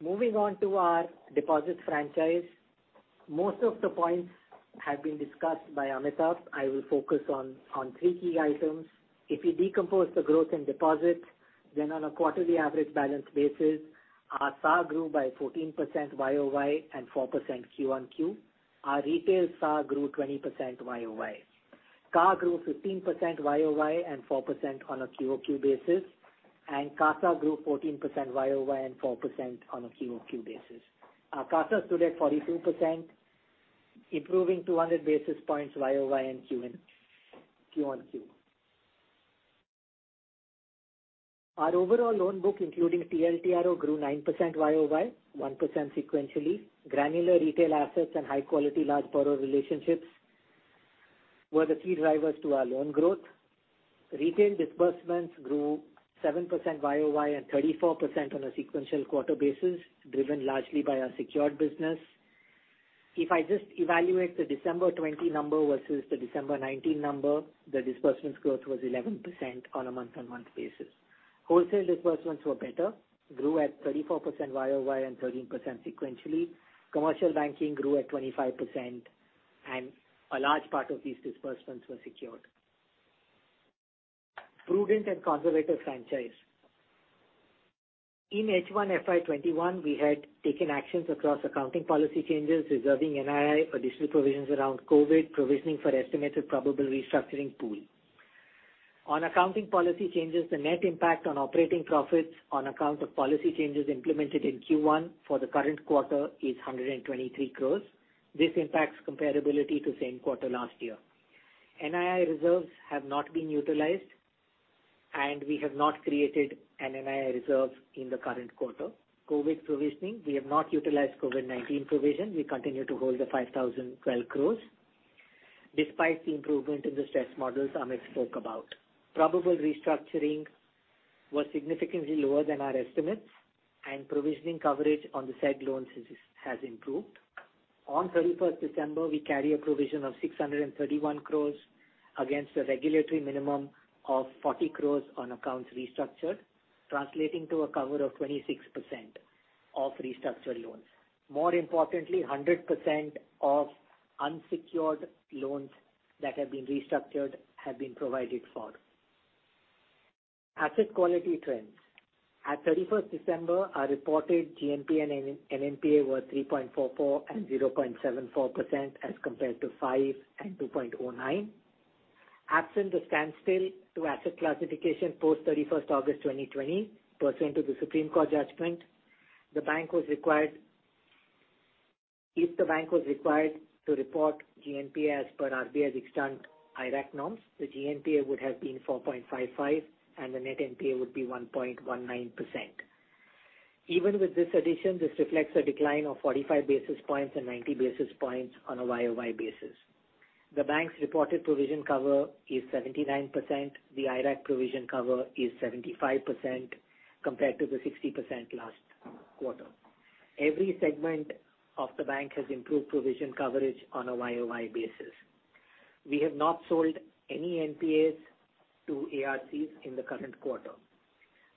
Moving on to our deposit franchise, most of the points have been discussed by Amitabh. I will focus on three key items. If you decompose the growth in deposits, then on a quarterly average balance basis, our SA grew by 14% YOY and 4% QOQ. Our retail SAAR grew 20% YOY. CA grew 15% YOY and 4% on a QOQ basis, and CASA grew 14% YOY and 4% on a QOQ basis. Our CASA stood at 42%, improving 200 basis points YOY and QOQ. Our overall loan book, including TLTRO, grew 9% YOY, 1% sequentially. Granular retail assets and high-quality large borrower relationships were the key drivers to our loan growth. Retail disbursements grew 7% YOY and 34% on a sequential quarter basis, driven largely by our secured business. If I just evaluate the December 2020 number versus the December 2019 number, the disbursements growth was 11% on a month-on-month basis. Wholesale disbursements were better, grew at 34% YOY and 13% sequentially. Commercial banking grew at 25%, and a large part of these disbursements were secured. Prudent and conservative franchise. In H1 FY 2021, we had taken actions across accounting policy changes, reserving NII, additional provisions around COVID, provisioning for estimated probable restructuring pool. On accounting policy changes, the net impact on operating profits on account of policy changes implemented in Q1 for the current quarter is 123 crore. This impacts comparability to same quarter last year. NII reserves have not been utilized, and we have not created an NII reserve in the current quarter. COVID provisioning, we have not utilized COVID-19 provision. We continue to hold 5,012 crore, despite the improvement in the stress models Amit spoke about. Probable restructuring was significantly lower than our estimates, and provisioning coverage on the said loans has improved. On thirty-first December, we carry a provision of 631 crore against a regulatory minimum of 40 crore on accounts restructured, translating to a cover of 26% of restructured loans. More importantly, 100% of unsecured loans that have been restructured have been provided for. Asset quality trends. At thirty-first December, our reported GNPA and NNPA were 3.44% and 0.74%, as compared to 5% and 2.09%. Absent the standstill to asset classification, post thirty-first August 2020, pursuant to the Supreme Court judgment, the bank was required to-... If the bank was required to report GNPA as per RBI's extant IRAC norms, the GNPA would have been 4.55, and the net NPA would be 1.19%. Even with this addition, this reflects a decline of 45 basis points and 90 basis points on a YOY basis. The bank's reported provision cover is 79%. The IRAC provision cover is 75%, compared to the 60% last quarter. Every segment of the bank has improved provision coverage on a YOY basis. We have not sold any NPAs to ARCs in the current quarter.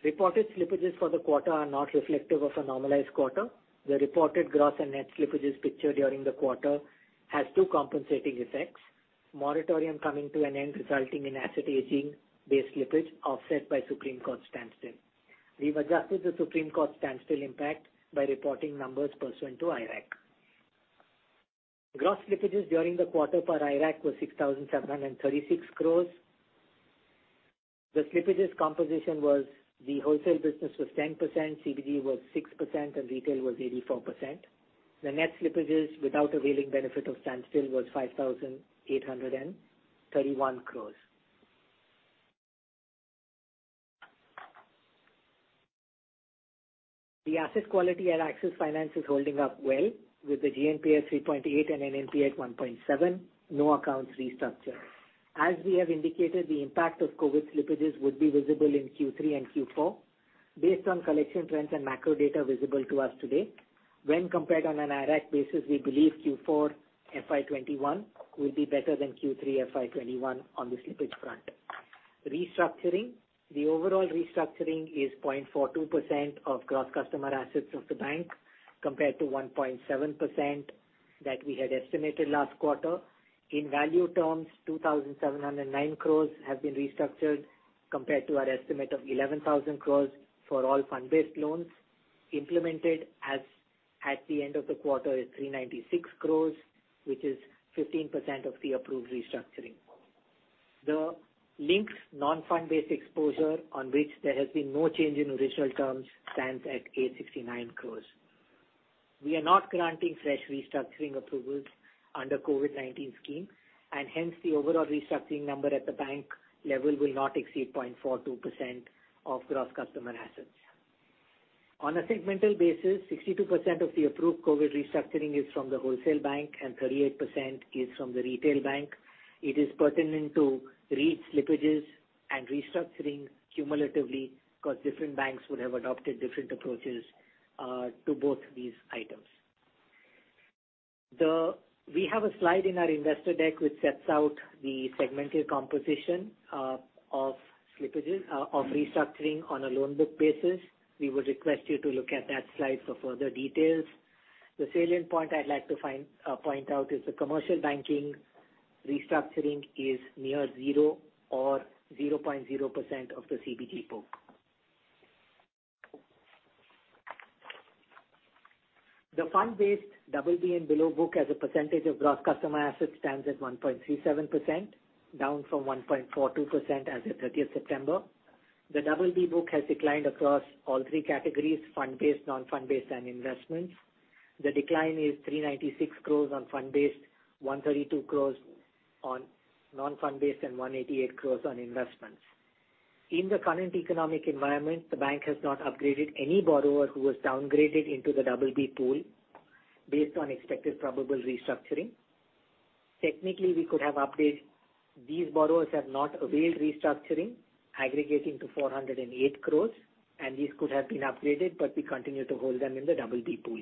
Reported slippages for the quarter are not reflective of a normalized quarter. The reported gross and net slippages picture during the quarter has two compensating effects: moratorium coming to an end, resulting in asset aging-based slippage, offset by Supreme Court standstill. We've adjusted the Supreme Court standstill impact by reporting numbers pursuant to IRAC. Gross slippages during the quarter per IRAC was 6,736 crore. The slippages composition was, the wholesale business was 10%, CBG was 6%, and retail was 84%. The net slippages without availing benefit of standstill was 5,831 crore. The asset quality at Axis Finance is holding up well, with the GNPA at 3.8% and NNPA at 1.7%, no accounts restructured. As we have indicated, the impact of COVID slippages would be visible in Q3 and Q4. Based on collection trends and macro data visible to us today, when compared on an IRAC basis, we believe Q4 FY 2021 will be better than Q3 FY 2021 on the slippage front. Restructuring. The overall restructuring is 0.42% of gross customer assets of the bank, compared to 1.7% that we had estimated last quarter. In value terms, 2,709 crore have been restructured, compared to our estimate of 11,000 crore for all fund-based loans. Implemented as, at the end of the quarter is 396 crore, which is 15% of the approved restructuring. The linked non-fund based exposure on which there has been no change in original terms, stands at 869 crore. We are not granting fresh restructuring approvals under COVID-19 scheme, and hence the overall restructuring number at the bank level will not exceed 0.42% of gross customer assets. On a segmental basis, 62% of the approved COVID restructuring is from the wholesale bank and 38% is from the retail bank. It is pertinent to read slippages and restructurings cumulatively, because different banks would have adopted different approaches to both these items. We have a slide in our investor deck which sets out the segmental composition of slippages of restructuring on a loan book basis. We would request you to look at that slide for further details. The salient point I'd like to point out is the commercial banking restructuring is near zero or 0.0% of the CBG book. The fund-based double B and below book as a percentage of gross customer assets stands at 1.37%, down from 1.42% as of thirtieth September. The double B book has declined across all three categories: fund-based, non-fund based, and investments. The decline is 396 crore on fund-based, 132 crore on non-fund based, and 188 crore on investments. In the current economic environment, the bank has not upgraded any borrower who was downgraded into the double B pool based on expected probable restructuring. Technically, we could have upgraded. These borrowers have not availed restructuring, aggregating to 408 crore, and these could have been upgraded, but we continue to hold them in the double B pool.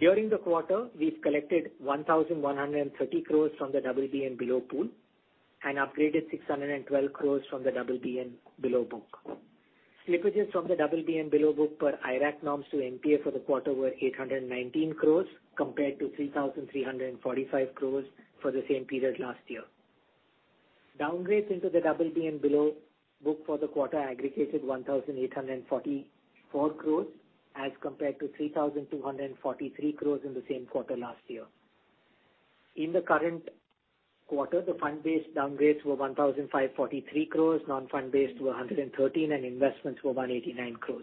During the quarter, we've collected 1,130 crore from the double B and below pool and upgraded 612 crore from the double B and below book. Slippages from the double B and below book per IRAC norms to NPA for the quarter were 819 crore compared to 3,345 crore for the same period last year. Downgrades into the double B and below book for the quarter aggregated 1,844 crore, as compared to 3,243 crore in the same quarter last year. In the current quarter, the fund-based downgrades were 1,543 crore, non-fund based were 113 crore, and investments were 189 crore.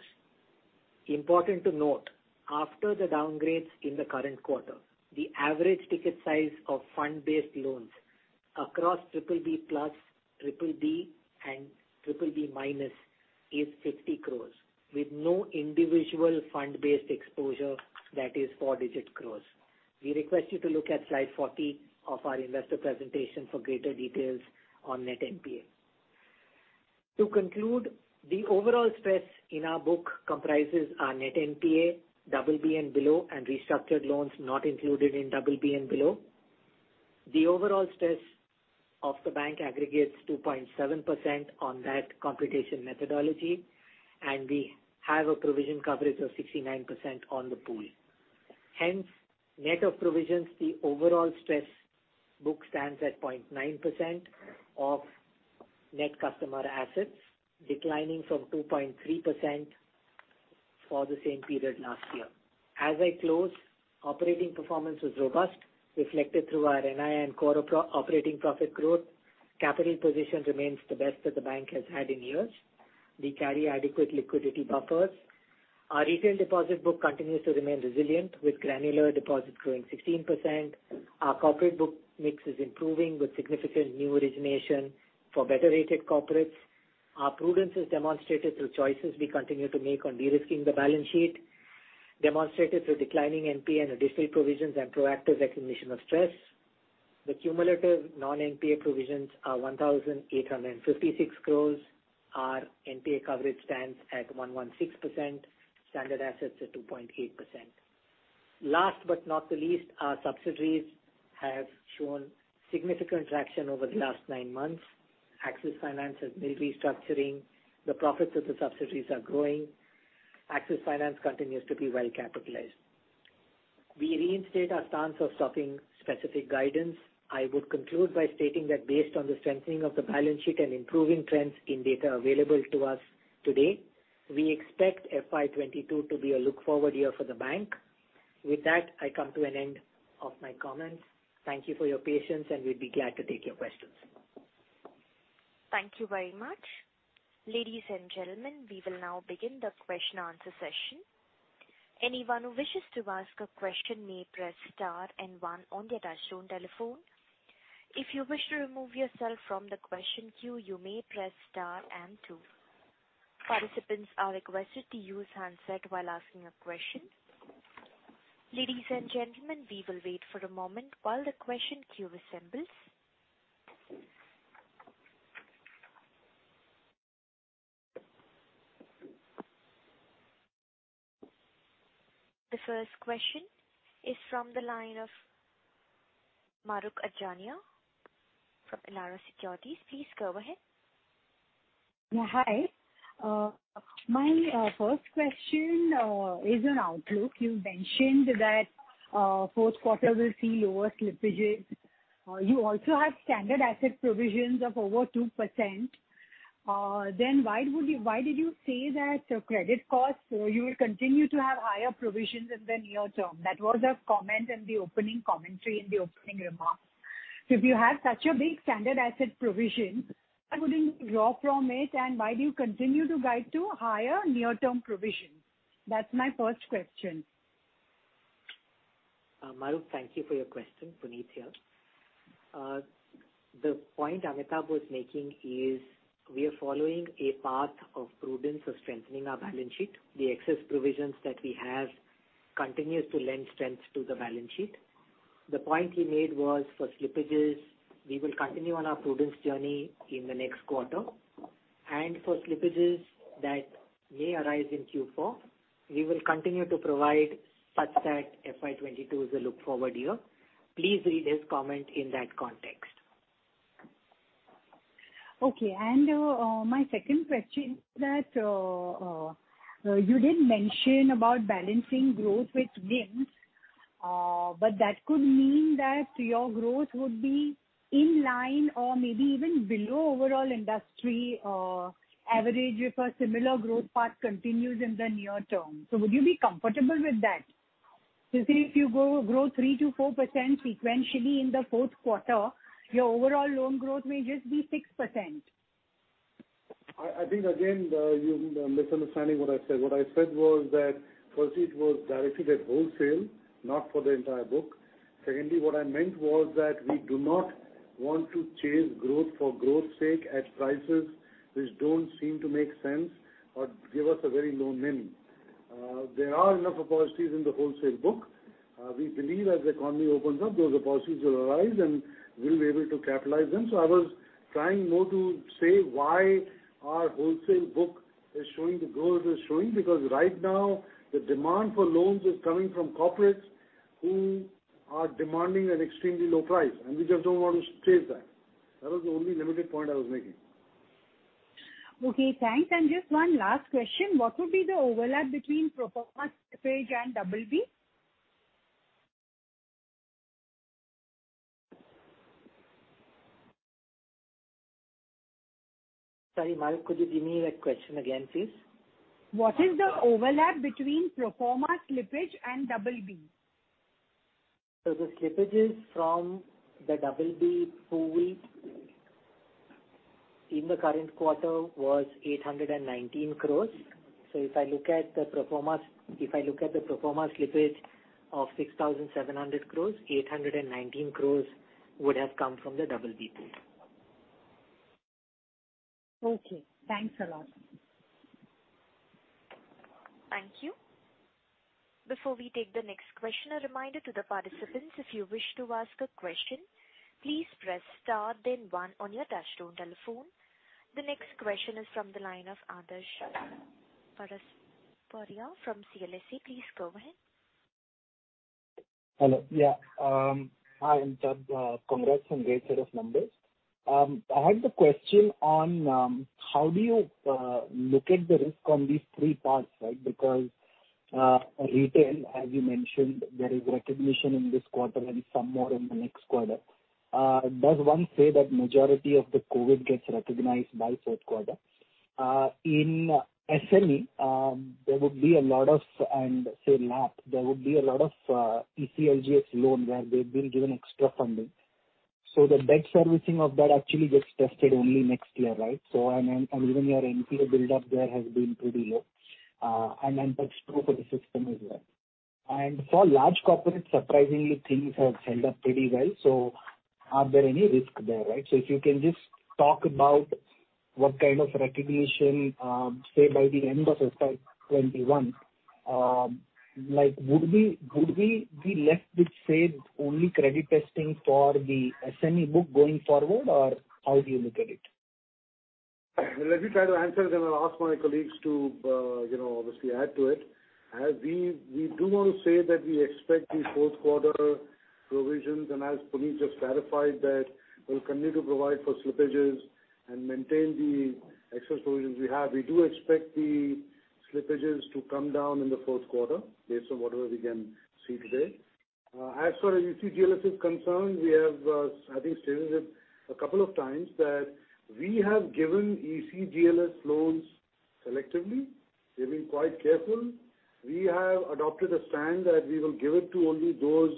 Important to note, after the downgrades in the current quarter, the average ticket size of fund-based loans across triple B plus, triple B, and triple B minus is 60 crore, with no individual fund-based exposure that is four-digit crore. We request you to look at slide 40 of our investor presentation for greater details on net NPA. To conclude, the overall stress in our book comprises our net NPA, double B and below, and restructured loans not included in double B and below. The overall stress of the bank aggregates 2.7% on that computation methodology, and we have a provision coverage of 69% on the pool. Hence, net of provisions, the overall stress book stands at 0.9% of net customer assets, declining from 2.3% for the same period last year. As I close, operating performance was robust, reflected through our NII and core operating profit growth. Capital position remains the best that the bank has had in years. We carry adequate liquidity buffers. Our retail deposit book continues to remain resilient, with granular deposits growing 16%. Our corporate book mix is improving, with significant new origination for better-rated corporates. Our prudence is demonstrated through choices we continue to make on de-risking the balance sheet, demonstrated through declining NPA and additional provisions and proactive recognition of stress. The cumulative non-NPA provisions are 1,856 crore. Our NPA coverage stands at 116%. Standard assets are 2.8%. Last but not the least, our subsidiaries have shown significant traction over the last 9 months. Axis Finance has been restructuring. The profits of the subsidiaries are growing. Axis Finance continues to be well-capitalized. We reinstate our stance of stopping specific guidance. I would conclude by stating that based on the strengthening of the balance sheet and improving trends in data available to us today, we expect FY 2022 to be a look forward year for the bank. With that, I come to an end of my comments. Thank you for your patience, and we'd be glad to take your questions. Thank you very much. Ladies and gentlemen, we will now begin the question answer session. Anyone who wishes to ask a question may press star and one on their touchtone telephone. If you wish to remove yourself from the question queue, you may press star and two. Participants are requested to use handset while asking a question. Ladies and gentlemen, we will wait for a moment while the question queue assembles. The first question is from the line of Mahrukh Adajania from Elara Securities. Please go ahead. Yeah, hi. My first question is on outlook. You mentioned that fourth quarter will see lower slippages. You also have standard asset provisions of over 2%. Then why would you—why did you say that credit costs you will continue to have higher provisions in the near term? That was the comment in the opening commentary in the opening remarks. So if you have such a big standard asset provision, why wouldn't you draw from it, and why do you continue to guide to higher near-term provisions? That's my first question. Mahrukh, thank you for your question. Puneet here. The point Amitabh was making is, we are following a path of prudence of strengthening our balance sheet. The excess provisions that we have continues to lend strength to the balance sheet. The point he made was for slippages, we will continue on our prudence journey in the next quarter. And for slippages that may arise in Q4, we will continue to provide such that FY 2022 is a look forward year. Please read his comment in that context. Okay. My second question is that you did mention about balancing growth with wins, but that could mean that your growth would be in line or maybe even below overall industry average, if a similar growth path continues in the near term. So would you be comfortable with that? Because if you grow 3%-4% sequentially in the fourth quarter, your overall loan growth may just be 6%. I think again, you're misunderstanding what I said. What I said was that, firstly, it was directed at wholesale, not for the entire book. Secondly, what I meant was that we do not want to chase growth for growth's sake at prices which don't seem to make sense or give us a very low NIM. There are enough opportunities in the wholesale book. We believe as the economy opens up, those opportunities will arise, and we'll be able to capitalize them. So I was trying more to say why our wholesale book is showing the growth it's showing, because right now, the demand for loans is coming from corporates who are demanding an extremely low price, and we just don't want to chase that. That was the only limited point I was making. Okay, thanks. Just one last question: What would be the overlap between pro forma slippage and double B? Sorry, Mahrukh, could you give me that question again, please? What is the overlap between pro forma slippage and double B? The slippages from the double B pool in the current quarter was 819 crore. If I look at the pro formas, if I look at the pro forma slippage of 6,700 crore, 819 crore would have come from the double B pool. Okay. Thanks a lot. Thank you. Before we take the next question, a reminder to the participants. If you wish to ask a question, please press star, then one on your touchtone telephone. The next question is from the line of Adarsh Parasrampuria from CLSA. Please go ahead. Hello. Yeah, hi, and congrats on great set of numbers. I had a question on how do you look at the risk on these three parts, right? Because retail, as you mentioned, there is recognition in this quarter and some more in the next quarter. Does one say that majority of the COVID gets recognized by fourth quarter? In SME, there would be a lot of, and say, LAP, there would be a lot of ECLGS loans where they've been given extra funding. So the debt servicing of that actually gets tested only next year, right? So and even your NPA build-up there has been pretty low, and that's true for the system as well. And for large corporates, surprisingly, things have held up pretty well, so are there any risk there, right? So if you can just talk about what kind of recognition, say, by the end of FY 21, like, would we, would we be left with, say, only credit testing for the SME book going forward, or how do you look at it? Let me try to answer, then I'll ask my colleagues to, you know, obviously add to it. As we do want to say that we expect the fourth quarter provisions, and as Puneet just clarified, that we'll continue to provide for slippages and maintain the excess provisions we have. We do expect the slippages to come down in the fourth quarter based on whatever we can see today. As far as ECLGS is concerned, we have, I think, stated it a couple of times, that we have given ECLGS loans selectively. We've been quite careful. We have adopted a stand that we will give it to only those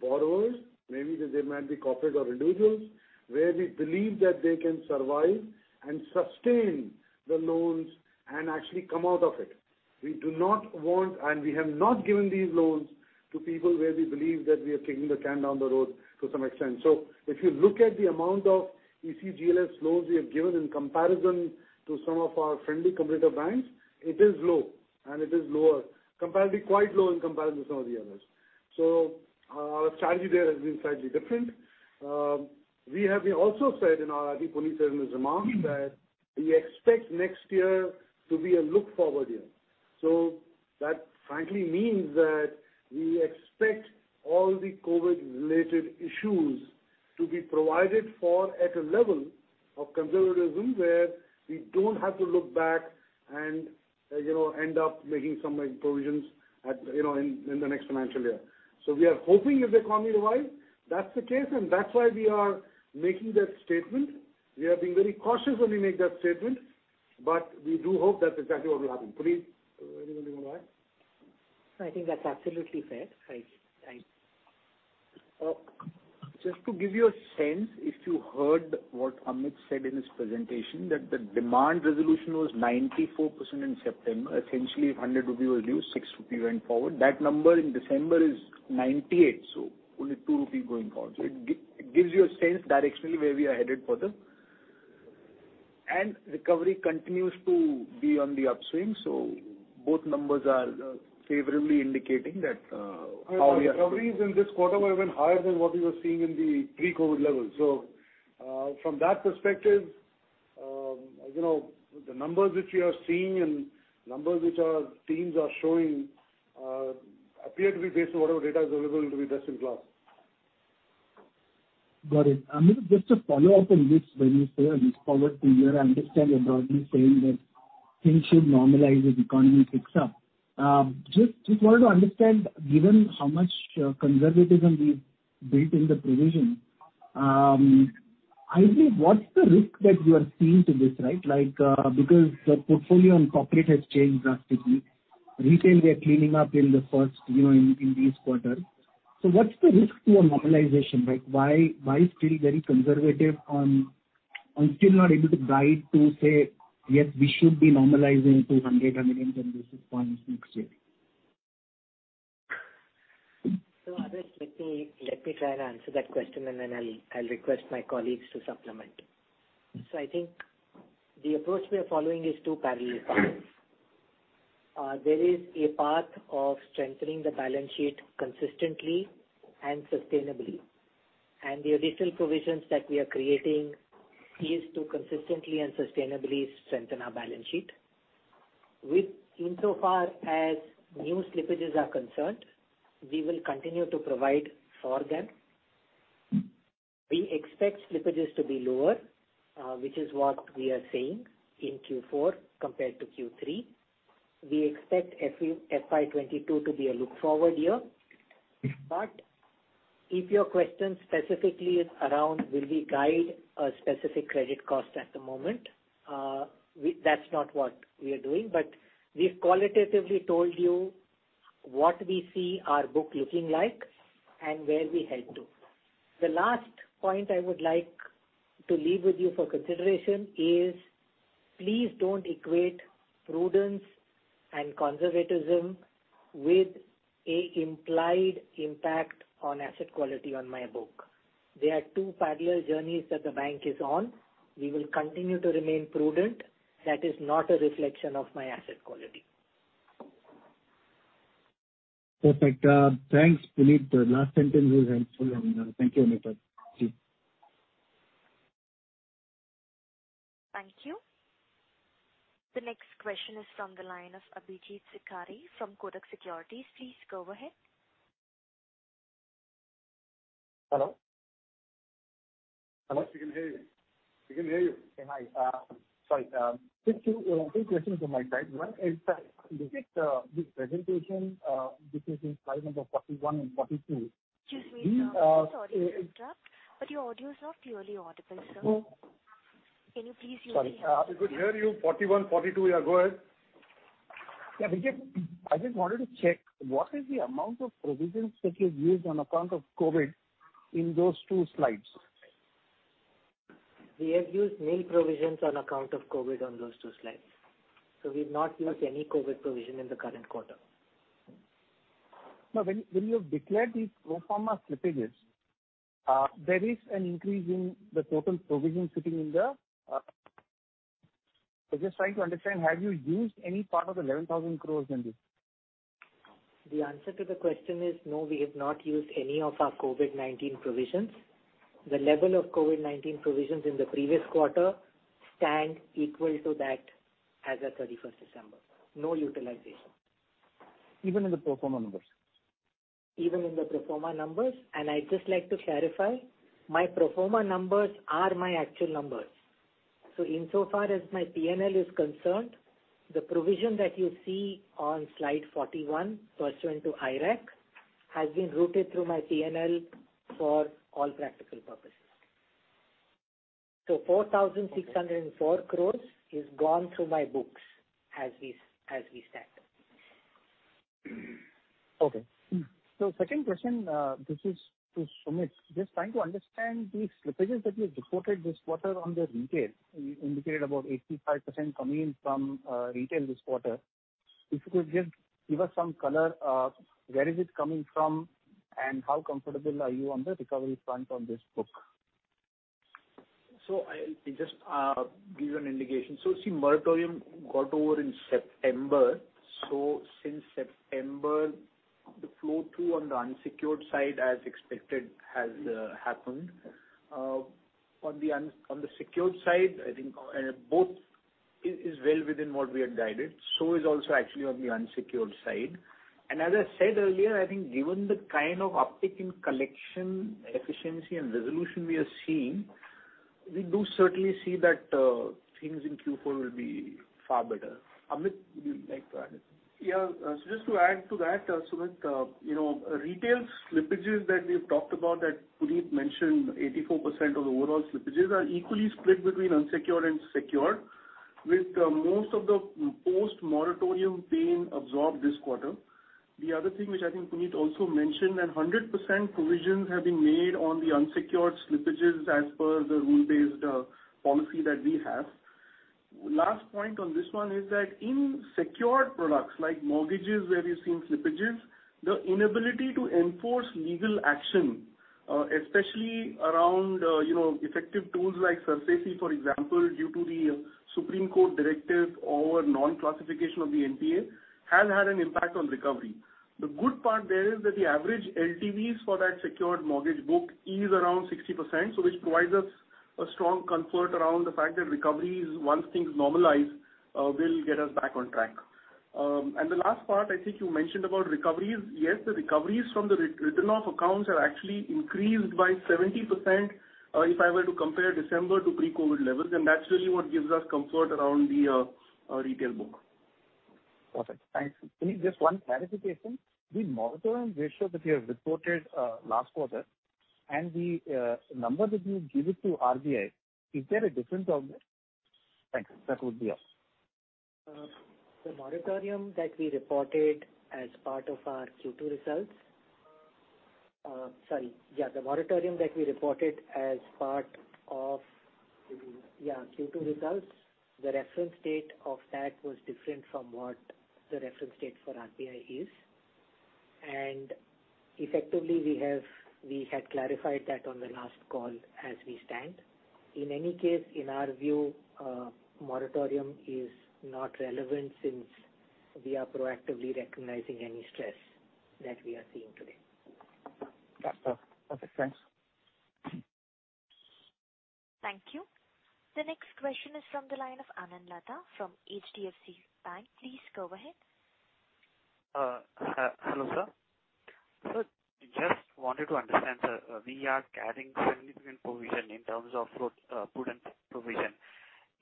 borrowers, maybe they might be corporate or individuals, where we believe that they can survive and sustain the loans and actually come out of it. We do not want, and we have not given these loans to people where we believe that we are kicking the can down the road to some extent. So if you look at the amount of ECLGS loans we have given in comparison to some of our friendly competitor banks, it is low and it is lower, comparatively quite low in comparison to some of the others. So, our strategy there has been slightly different. We have also said in our, I think Puneet said in his remarks, that we expect next year to be a look-forward year. So that frankly means that we expect all the COVID-related issues to be provided for at a level of conservatism where we don't have to look back and, you know, end up making some, like, provisions at, you know, in, in the next financial year. So we are hoping if the economy revives, that's the case, and that's why we are making that statement. We are being very cautious when we make that statement, but we do hope that's exactly what will happen. Puneet, anything you want to add? I think that's absolutely fair. Right. Right. Just to give you a sense, if you heard what Amit said in his presentation, that the demand resolution was 94% in September. Essentially, if 100 rupee was due, 6 rupee went forward. That number in December is 98, so only 2 rupee going forward. It gives you a sense directionally where we are headed for them. And recovery continues to be on the upswing, so both numbers are favorably indicating that how we are- Recoveries in this quarter were even higher than what we were seeing in the pre-COVID levels. So, from that perspective, you know, the numbers which we are seeing and numbers which our teams are showing, appear to be based on whatever data is available to be best in class. Got it. Amit, just to follow up on this, when you say a look forward to year, I understand you're broadly saying that things should normalize as economy picks up. Just wanted to understand, given how much conservatism we've built in the provision, I believe, what's the risk that you are seeing to this, right? Like, because the portfolio on corporate has changed drastically. Retail, we are cleaning up in the first, you know, in this quarter. So what's the risk to a normalization? Like, why still very conservative on, and still not able to guide to say, "Yes, we should be normalizing to 100, 110 basis points next year? So, Adi, let me, let me try and answer that question, and then I'll, I'll request my colleagues to supplement. So I think the approach we are following is two parallel paths. There is a path of strengthening the balance sheet consistently and sustainably, and the additional provisions that we are creating is to consistently and sustainably strengthen our balance sheet. With insofar as new slippages are concerned, we will continue to provide for them. We expect slippages to be lower, which is what we are saying in Q4 compared to Q3. We expect FY 2022 to be a look-forward year. But if your question specifically is around, will we guide a specific credit cost at the moment? We- that's not what we are doing, but we've qualitatively told you what we see our book looking like and where we head to. The last point I would like to leave with you for consideration is, please don't equate prudence and conservatism with an implied impact on asset quality on my book. They are two parallel journeys that the bank is on. We will continue to remain prudent. That is not a reflection of my asset quality. Perfect. Thanks, Puneet. The last sentence was helpful. Thank you, Amit. Thank you. The next question is from the line of Abhijeet Sakhare from Kotak Securities. Please go ahead. Hello? Hello, we can hear you. We can hear you. Hi. Sorry, thank you. Two questions on my side. One is that, this presentation, between slide number 41 and 42. Excuse me, sir. Your audio is not clearly audible, sir. Mm-hmm. Can you please use the- Sorry. We could hear you. 41, 42, yeah, go ahead.... Yeah, uncertain, I just wanted to check, what is the amount of provisions that you've used on account of COVID in those two slides? We have used nil provisions on account of COVID on those two slides. We've not used any COVID provision in the current quarter. Now, when you have declared these pro forma slippages, there is an increase in the total provision sitting in the... I'm just trying to understand, have you used any part of the 11,000 crore in this? The answer to the question is no, we have not used any of our COVID-19 provisions. The level of COVID-19 provisions in the previous quarter stand equal to that as at 31st December. No utilization. Even in the pro forma numbers? Even in the pro forma numbers. I'd just like to clarify, my pro forma numbers are my actual numbers. So insofar as my P&L is concerned, the provision that you see on slide 41, pursuant to IRAC, has been routed through my P&L for all practical purposes. So 4,604 crore is gone through my books as we stand. Okay. So second question, this is to Sumit. Just trying to understand these slippages that you've reported this quarter on the retail. You indicated about 85% coming from, retail this quarter. If you could just give us some color, where is it coming from, and how comfortable are you on the recovery front on this book? So I'll just give you an indication. So, see, moratorium got over in September. So since September, the flow-through on the unsecured side, as expected, has happened. On the secured side, I think both is well within what we had guided. So is also actually on the unsecured side. And as I said earlier, I think given the kind of uptick in collection, efficiency, and resolution we are seeing, we do certainly see that things in Q4 will be far better. Amit, would you like to add? Yeah. So just to add to that, Sumit, you know, retail slippages that we've talked about, that Puneet mentioned, 84% of the overall slippages are equally split between unsecured and secured, with most of the post-moratorium being absorbed this quarter. The other thing which I think Puneet also mentioned, that 100% provisions have been made on the unsecured slippages as per the rule-based policy that we have. Last point on this one is that in secured products, like mortgages, where we've seen slippages, the inability to enforce legal action, especially around, you know, effective tools like SARFAESI, for example, due to the Supreme Court directive over non-classification of the NPA, has had an impact on recovery. The good part there is that the average LTVs for that secured mortgage book is around 60%, so which provides us a strong comfort around the fact that recoveries, once things normalize, will get us back on track. The last part, I think you mentioned about recoveries. Yes, the recoveries from the written-off accounts are actually increased by 70%, if I were to compare December to pre-COVID levels, and that's really what gives us comfort around the retail book. Perfect. Thanks. Puneet, just one clarification. The moratorium ratio that you have reported last quarter, and the number that you give it to RBI, is there a difference on that? Thanks. That would be all. The moratorium that we reported as part of our Q2 results, sorry, yeah, the moratorium that we reported as part of, yeah, Q2 results, the reference date of that was different from what the reference date for RBI is. And effectively, we had clarified that on the last call as we stand. In any case, in our view, moratorium is not relevant since we are proactively recognizing any stress that we are seeing today. Got that. Okay, thanks. Thank you. The next question is from the line of Anand Laddha from HDFC AMC. Please go ahead. Hello, sir. So just wanted to understand, sir, we are carrying significant provision in terms of prudent provision.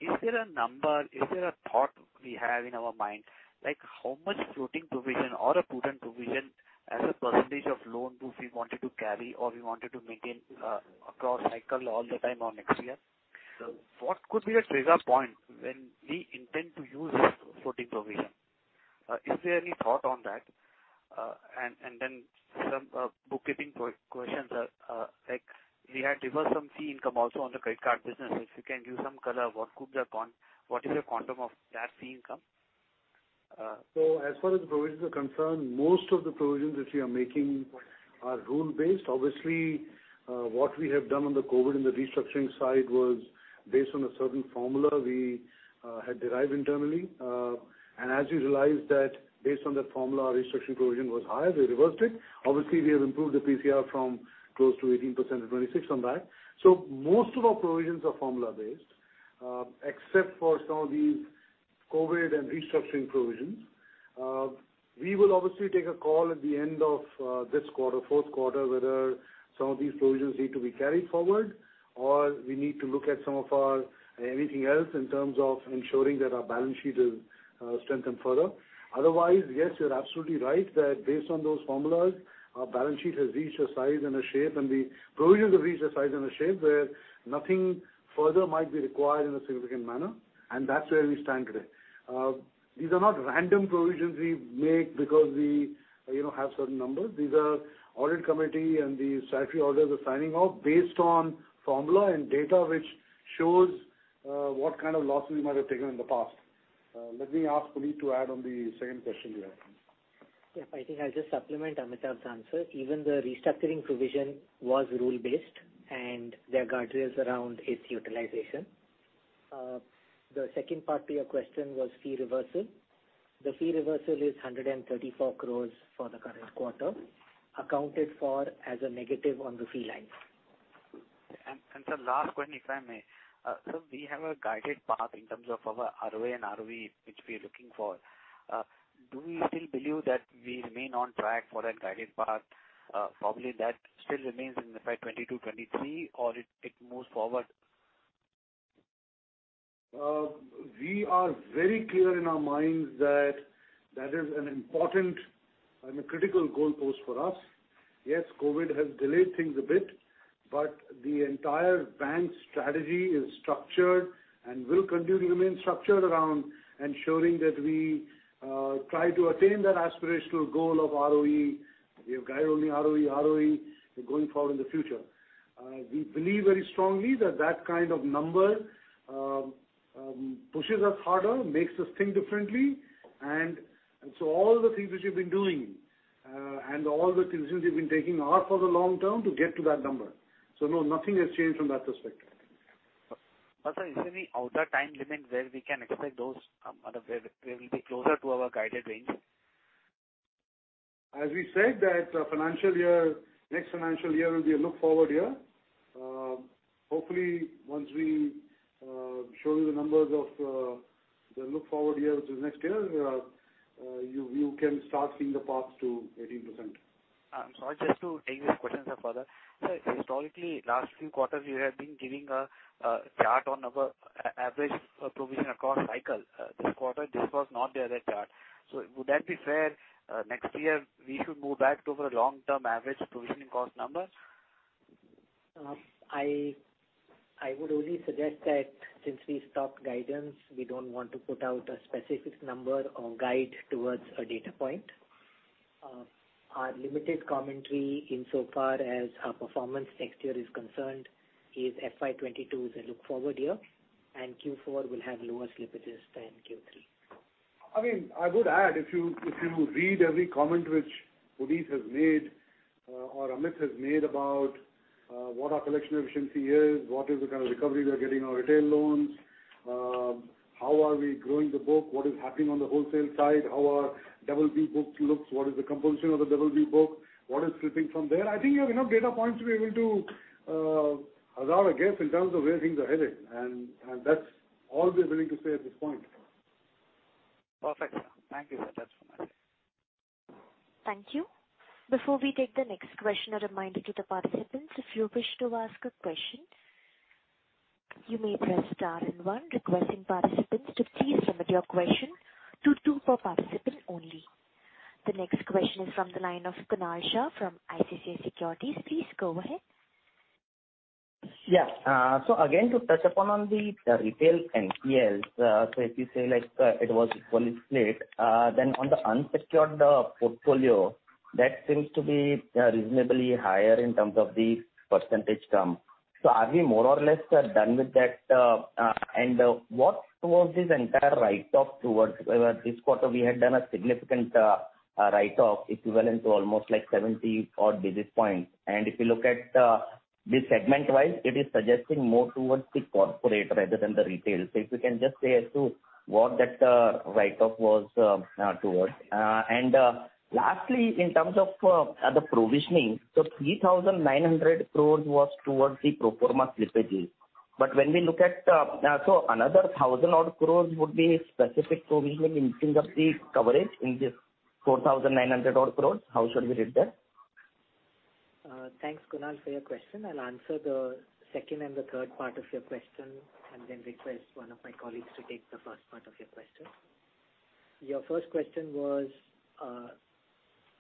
Is there a number, is there a thought we have in our mind, like how much floating provision or a prudent provision as a percentage of loan, do we wanted to carry or we wanted to maintain, across cycle all the time on next year? So what could be the trigger point when we intend to use this floating provision? Is there any thought on that? And then some bookkeeping questions, like, we had reversed some fee income also on the credit card business. If you can give some color, what could be the quantum of that fee income? So as far as the provisions are concerned, most of the provisions which we are making are rule-based. Obviously, what we have done on the COVID and the restructuring side was based on a certain formula we had derived internally. And as you realize that based on that formula, our restructuring provision was higher, we reversed it. Obviously, we have improved the PCR from close to 18% to 26 on that. So most of our provisions are formula-based, except for some of these COVID and restructuring provisions. We will obviously take a call at the end of this quarter, fourth quarter, whether-... some of these provisions need to be carried forward, or we need to look at some of our, anything else in terms of ensuring that our balance sheet is strengthened further. Otherwise, yes, you're absolutely right, that based on those formulas, our balance sheet has reached a size and a shape, and the provisions have reached a size and a shape where nothing further might be required in a significant manner, and that's where we stand today. These are not random provisions we make because we, you know, have certain numbers. These are audit committee and the statutory auditors are signing off based on formula and data which shows what kind of losses we might have taken in the past. Let me ask Puneet to add on the second question you had. Yeah, I think I'll just supplement Amitabh's answer. Even the restructuring provision was rule-based, and there are guardrails around its utilization. The second part to your question was fee reversal. The fee reversal is 134 crore for the current quarter, accounted for as a negative on the fee line. Sir, last one, if I may. So we have a guided path in terms of our ROA and ROE which we are looking for. Do we still believe that we remain on track for that guided path? Probably that still remains in the FY 2022, 2023, or it moves forward? We are very clear in our minds that that is an important and a critical goalpost for us. Yes, COVID has delayed things a bit, but the entire bank's strategy is structured and will continue to remain structured around ensuring that we try to attain that aspirational goal of ROE. We have guided only ROE, ROE going forward in the future. We believe very strongly that that kind of number pushes us harder, makes us think differently, and so all the things which we've been doing and all the decisions we've been taking are for the long term to get to that number. So no, nothing has changed from that perspective. Sir, is there any outer time limit where we can expect those, where we'll be closer to our guided range? As we said, that financial year, next financial year will be a look forward year. Hopefully, once we show you the numbers of the look forward year, which is next year, you can start seeing the path to 18%. Sorry, just to take this question, sir, further. Sir, historically, last few quarters you have been giving a chart on our average provision across cycle. This quarter, this was not there, that chart. So would that be fair, next year, we should move back to our long-term average provisioning cost number? I would only suggest that since we stopped guidance, we don't want to put out a specific number or guide towards a data point. Our limited commentary insofar as our performance next year is concerned is FY 2022 is a look forward year, and Q4 will have lower slippages than Q3. I mean, I would add, if you, if you read every comment which Puneet has made, or Amit has made, about, what our collection efficiency is, what is the kind of recovery we are getting on retail loans, how are we growing the book, what is happening on the wholesale side, how our BB book looks, what is the compulsion of the BB book, what is slipping from there? I think you have enough data points to be able to, allow a guess in terms of where things are headed, and, and that's all we're willing to say at this point. Perfect, sir. Thank you, sir. That's enough. Thank you. Before we take the next question, a reminder to the participants. If you wish to ask a question, you may press star and one. Requesting participants to please limit your question to two per participant only. The next question is from the line of Kunal Shah from ICICI Securities. Please go ahead. Yeah, so again, to touch upon the retail NPLs, so if you say, like, it was equally split, then on the unsecured portfolio, that seems to be reasonably higher in terms of the percentage term. So are we more or less done with that? And what was this entire write-off towards? This quarter, we had done a significant write-off equivalent to almost, like, 70-odd basis points. And if you look at the segment-wise, it is suggesting more towards the corporate rather than the retail. So if you can just say as to what that write-off was towards. And lastly, in terms of the provisioning, so 3,900 crore was towards the pro forma slippages. But when we look at, so another 1,000 odd crore would be specific provisioning in terms of the coverage in this 4,900 odd crore. How should we read that? Thanks, Kunal, for your question. I'll answer the second and the third part of your question, and then request one of my colleagues to take the first part of your question. Your first question was,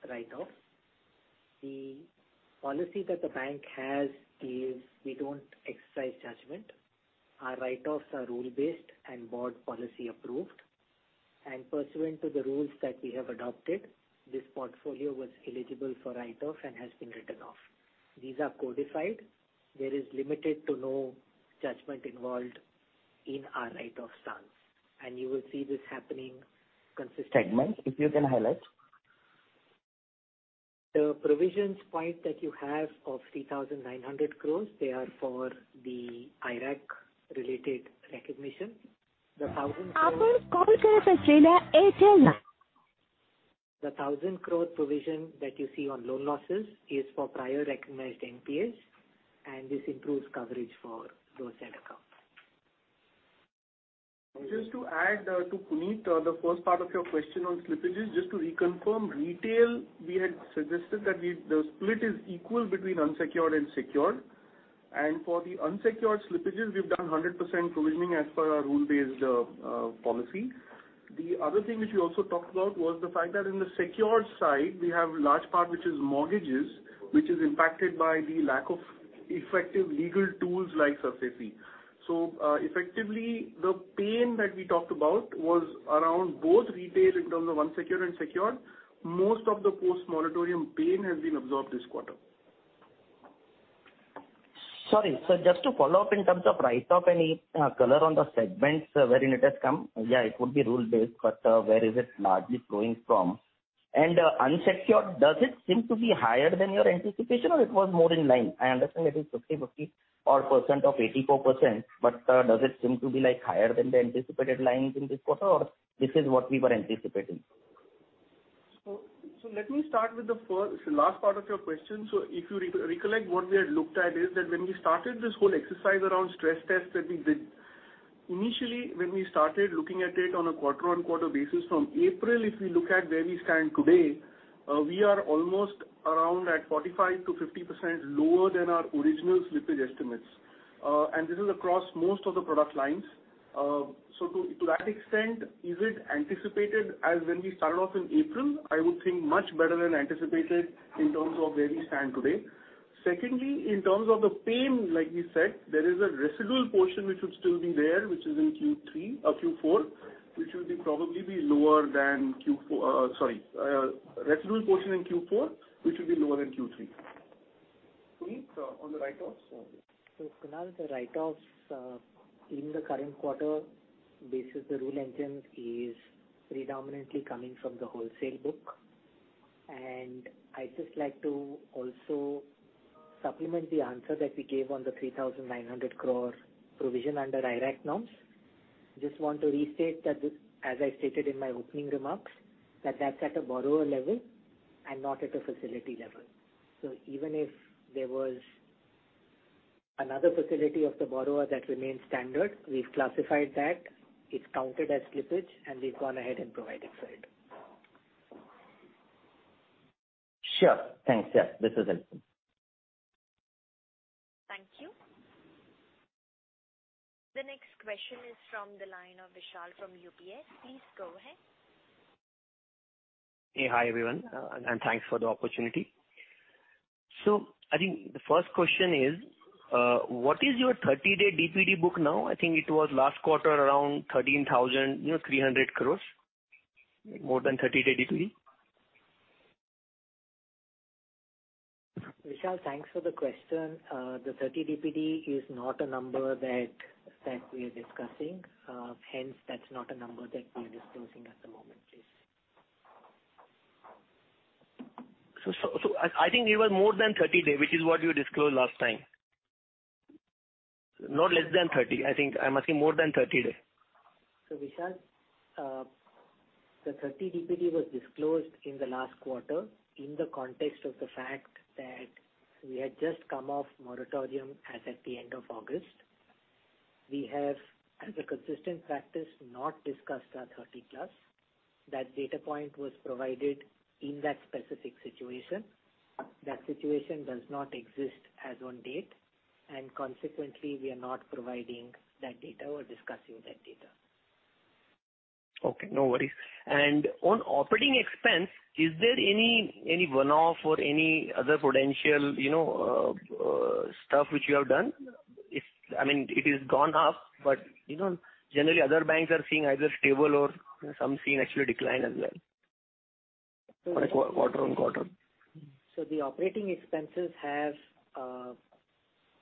write-off. The policy that the bank has is we don't exercise judgment. Our write-offs are rule-based and board policy approved. Pursuant to the rules that we have adopted, this portfolio was eligible for write-off and has been written off. These are codified. There is limited to no judgment involved in our write-off stance, and you will see this happening consistently. Segment, if you can highlight. The provisions point that you have of 3,900 crore, they are for the IRAC-related recognition. The 1,000 crore provision that you see on loan losses is for prior recognized NPAs, and this improves coverage for those said accounts.... Just to add to Puneet, the first part of your question on slippages, just to reconfirm, retail, we had suggested that the split is equal between unsecured and secured. And for the unsecured slippages, we've done 100% provisioning as per our rule-based policy. The other thing which we also talked about was the fact that in the secured side, we have a large part, which is mortgages, which is impacted by the lack of effective legal tools like SARFAESI. So, effectively, the pain that we talked about was around both retail in terms of unsecured and secured. Most of the post-moratorium pain has been absorbed this quarter. Sorry, so just to follow up in terms of write-off, any color on the segments wherein it has come? Yeah, it could be rule-based, but where is it largely flowing from? And unsecured, does it seem to be higher than your anticipation, or it was more in line? I understand it is 50/50 or 84% of 84%, but does it seem to be, like, higher than the anticipated lines in this quarter, or this is what we were anticipating? So let me start with the first... the last part of your question. So if you recollect what we had looked at is, that when we started this whole exercise around stress test that we did, initially, when we started looking at it on a quarter-on-quarter basis from April, if we look at where we stand today, we are almost around at 45%-50% lower than our original slippage estimates. And this is across most of the product lines. So to that extent, is it anticipated as when we started off in April? I would think much better than anticipated in terms of where we stand today. Secondly, in terms of the pain, like we said, there is a residual portion which would still be there, which is in Q3 or Q4, which will probably be lower than Q4... Sorry, residual portion in Q4, which will be lower in Q3. Puneet, on the write-offs? So, Kunal, the write-offs in the current quarter, basis the rule engine, is predominantly coming from the wholesale book. And I'd just like to also supplement the answer that we gave on the 3,900 crore provision under IRAC norms. Just want to restate that, as I stated in my opening remarks, that that's at a borrower level and not at a facility level. So even if there was another facility of the borrower that remains standard, we've classified that, it's counted as slippage, and we've gone ahead and provided for it. Sure. Thanks. Yeah, this is helpful. Thank you. The next question is from the line of Vishal from UBS. Please go ahead. Hey, hi, everyone, and thanks for the opportunity. So I think the first question is, what is your 30-day DPD book now? I think it was last quarter, around 13,300 crore, you know, more than 30-day DPD. Vishal, thanks for the question. The 30 DPD is not a number that, that we are discussing. Hence, that's not a number that we are disclosing at the moment, please. So, I think it was more than 30-day, which is what you disclosed last time. Not less than 30, I think. I'm asking more than 30 day. So, Vishal, the 30 DPD was disclosed in the last quarter in the context of the fact that we had just come off moratorium as at the end of August. We have, as a consistent practice, not discussed our 30-plus. That data point was provided in that specific situation. That situation does not exist as on date, and consequently, we are not providing that data or discussing that data. Okay, no worries. And on operating expense, is there any, any one-off or any other potential, you know, stuff which you have done? If... I mean, it is gone up, but, you know, generally other banks are seeing either stable or some seeing actually decline as well, on a quarter-on-quarter. So the operating expenses have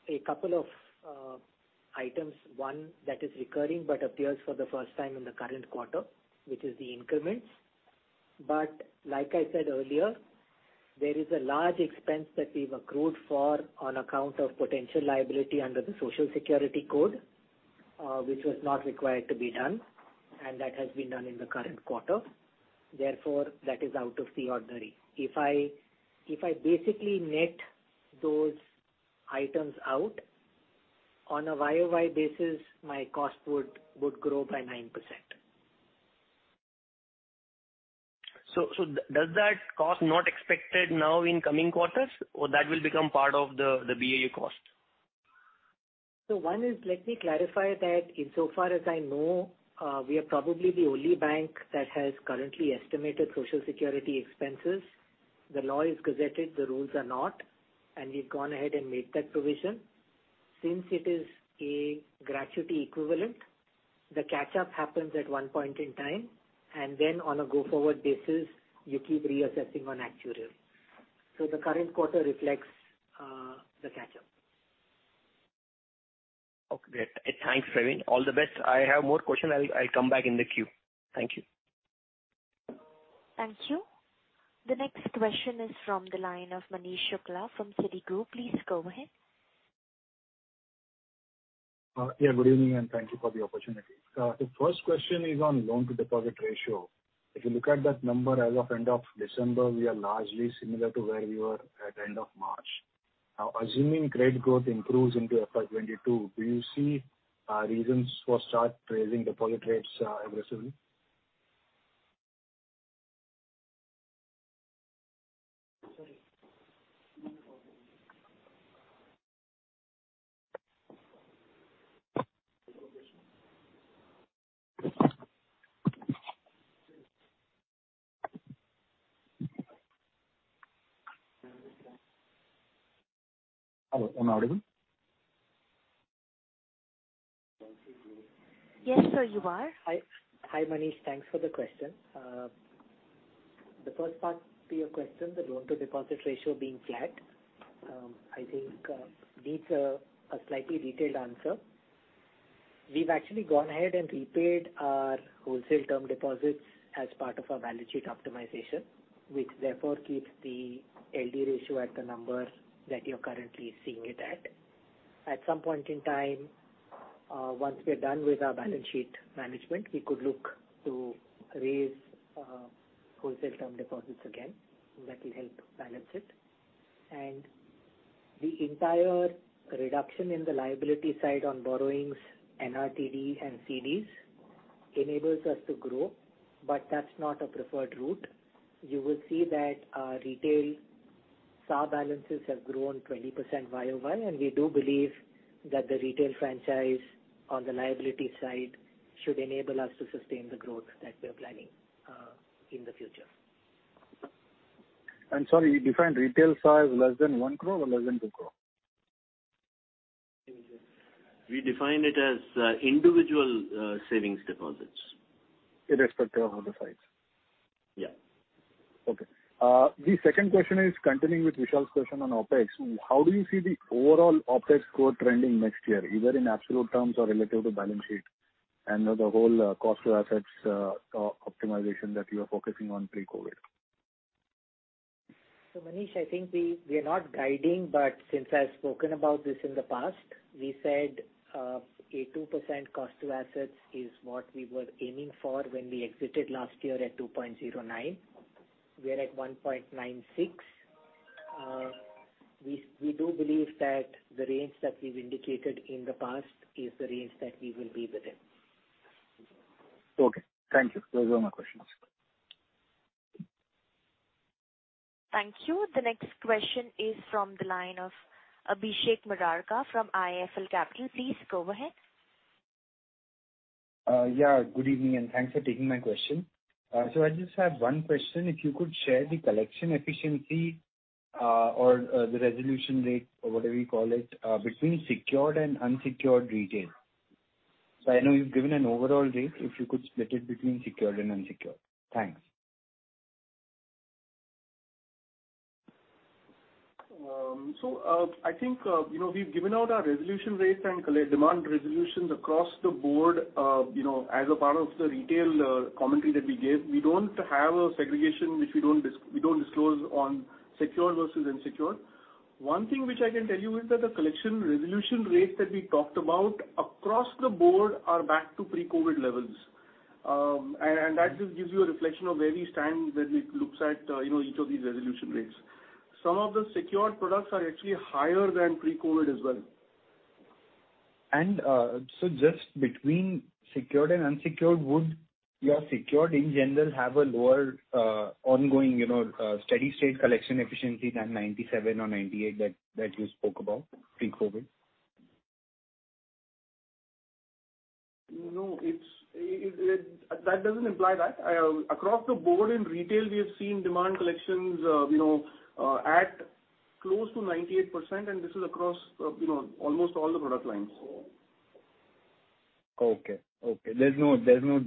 a couple of items. One that is recurring but appears for the first time in the current quarter, which is the increments. But like I said earlier, there is a large expense that we've accrued for on account of potential liability under the Social Security Code, which was not required to be done, and that has been done in the current quarter. Therefore, that is out of the ordinary. If I basically net those items out, on a YOY basis, my cost would grow by 9%. So, does that cost not expected now in coming quarters, or that will become part of the BAU cost? So one is, let me clarify that insofar as I know, we are probably the only bank that has currently estimated social security expenses. The law is gazetted, the rules are not, and we've gone ahead and made that provision. Since it is a gratuity equivalent, the catch-up happens at one point in time, and then on a go-forward basis, you keep reassessing on actuarial. So the current quarter reflects the catch-up. Okay. Thanks, Pruneet. All the best. I have more question. I'll, I'll come back in the queue. Thank you. Thank you. The next question is from the line of Manish Shukla from Citigroup. Please go ahead. Yeah, good evening, and thank you for the opportunity. The first question is on loan-to-deposit ratio. If you look at that number as of end of December, we are largely similar to where we were at end of March. Now, assuming credit growth improves into FY 2022, do you see reasons for start raising deposit rates aggressively? Hello, am I audible? Yes, sir, you are. Hi. Hi, Manish. Thanks for the question. The first part to your question, the loan-to-deposit ratio being flat, I think, needs a slightly detailed answer. We've actually gone ahead and repaid our wholesale term deposits as part of our balance sheet optimization, which therefore keeps the LD ratio at the number that you're currently seeing it at. At some point in time, once we're done with our balance sheet management, we could look to raise wholesale term deposits again. That will help balance it. And the entire reduction in the liability side on borrowings, NRTD and CDs, enables us to grow, but that's not a preferred route. You will see that our retail side balances have grown 20% year-over-year, and we do believe that the retail franchise on the liability side should enable us to sustain the growth that we're planning in the future. Sorry, you defined retail size less than 1 crore or less than 2 crore? We define it as individual savings deposits. Irrespective of the size? Yeah. Okay. The second question is continuing with Vishal's question on OpEx. How do you see the overall OpEx score trending next year, either in absolute terms or relative to balance sheet and the whole, cost to assets, optimization that you are focusing on pre-COVID? So, Manish, I think we are not guiding, but since I've spoken about this in the past, we said a 2% cost to assets is what we were aiming for when we exited last year at 2.09. We are at 1.96. We do believe that the range that we've indicated in the past is the range that we will be within. Okay, thank you. Those are my questions. Thank you. The next question is from the line of Abhishek Murarka from IIFL Capital. Please go ahead. Yeah, good evening, and thanks for taking my question. So I just have one question. If you could share the collection efficiency, or the resolution rate, or whatever you call it, between secured and unsecured retail. So I know you've given an overall rate, if you could split it between secured and unsecured. Thanks. So, I think, you know, we've given out our resolution rates and collection and demand resolutions across the board, you know, as a part of the retail commentary that we gave. We don't have a segregation, which we don't disclose on secured versus unsecured. One thing which I can tell you is that the collection resolution rates that we talked about across the board are back to pre-COVID levels. And that just gives you a reflection of where we stand when it looks at, you know, each of these resolution rates. Some of the secured products are actually higher than pre-COVID as well. Just between secured and unsecured, would your secured in general have a lower, ongoing, you know, steady state collection efficiency than 97 or 98 that you spoke about pre-COVID? No, that doesn't imply that. Across the board in retail, we have seen demand collections, you know, at close to 98%, and this is across, you know, almost all the product lines. Okay. Okay. There's no, there's no,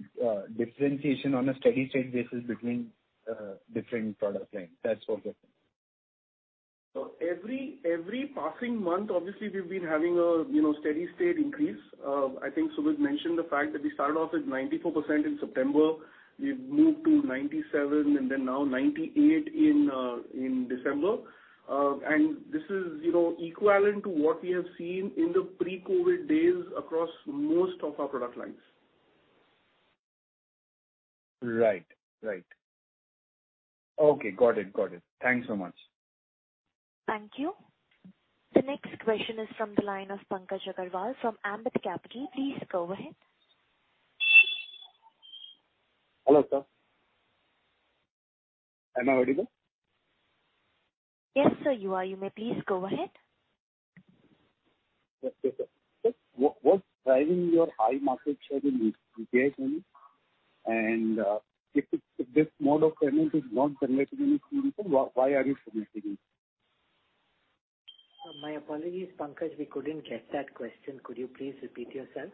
differentiation on a steady state basis between, different product lines. That's okay. Every, every passing month, obviously, we've been having a, you know, steady state increase. I think Sumit mentioned the fact that we started off at 94% in September. We've moved to 97%, and then now 98% in December. And this is, you know, equivalent to what we have seen in the pre-COVID days across most of our product lines. Right. Right. Okay, got it. Got it. Thanks so much. Thank you. The next question is from the line of Pankaj Agarwal from Ambit Capital. Please go ahead. Hello, sir. Am I audible? Yes, sir, you are. You may please go ahead. Yes, yes, sir. So what's driving your high market share in UPI payment? And, if this mode of payment is not generating any volume, why are you submitting it? My apologies, Pankaj, we couldn't get that question. Could you please repeat yourself?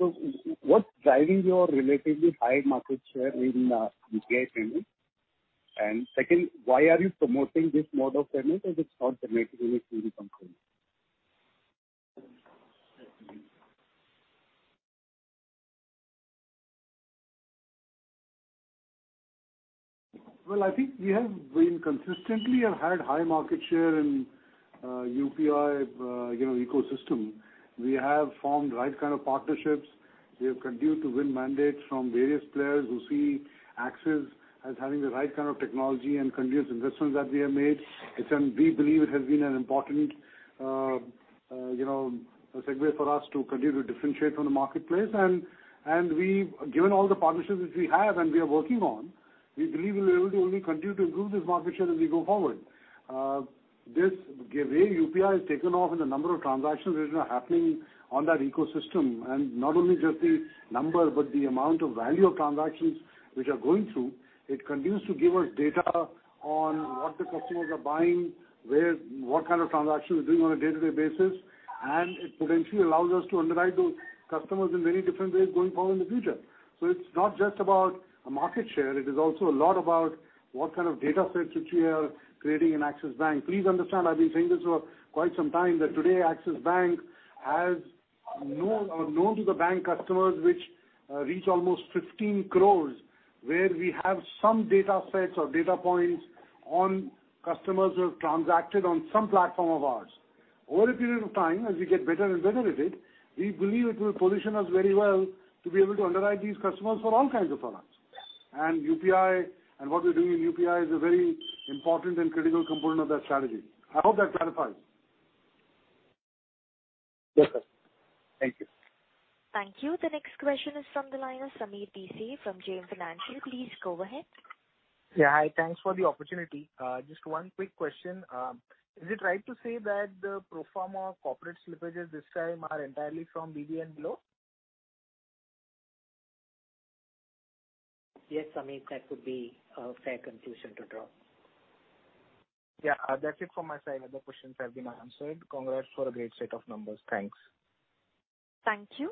Well, so what's driving your relatively high market share in UPI payment? And second, why are you promoting this mode of payment if it's not generating any revenue? Well, I think we have been consistently and had high market share in-... UPI, you know, ecosystem, we have formed the right kind of partnerships. We have continued to win mandates from various players who see Axis as having the right kind of technology and continuous investments that we have made. It's and we believe it has been an important, you know, a segment for us to continue to differentiate from the marketplace. And we've, given all the partnerships which we have and we are working on, we believe we'll be able to only continue to improve this market share as we go forward. This, the way UPI has taken off and the number of transactions which are happening on that ecosystem, and not only just the number, but the amount of value of transactions which are going through, it continues to give us data on what the customers are buying, where, what kind of transactions they're doing on a day-to-day basis, and it potentially allows us to underwrite those customers in many different ways going forward in the future. So it's not just about a market share, it is also a lot about what kind of data sets which we are creating in Axis Bank. Please understand, I've been saying this for quite some time, that today Axis Bank has known or known to the bank customers, which reach almost 15 crores, where we have some data sets or data points on customers who have transacted on some platform of ours. Over a period of time, as we get better and better at it, we believe it will position us very well to be able to underwrite these customers for all kinds of products. And UPI and what we're doing in UPI is a very important and critical component of that strategy. I hope that clarifies. Yes, sir. Thank you. Thank you. The next question is from the line of Sameer Bhise from JM Financial. Please go ahead. Yeah, hi. Thanks for the opportunity. Just one quick question. Is it right to say that the pro forma corporate slippages this time are entirely from BB and below? Yes, Sameer, that would be a fair conclusion to draw. Yeah, that's it from my side. Other questions have been answered. Congrats for a great set of numbers. Thanks. Thank you.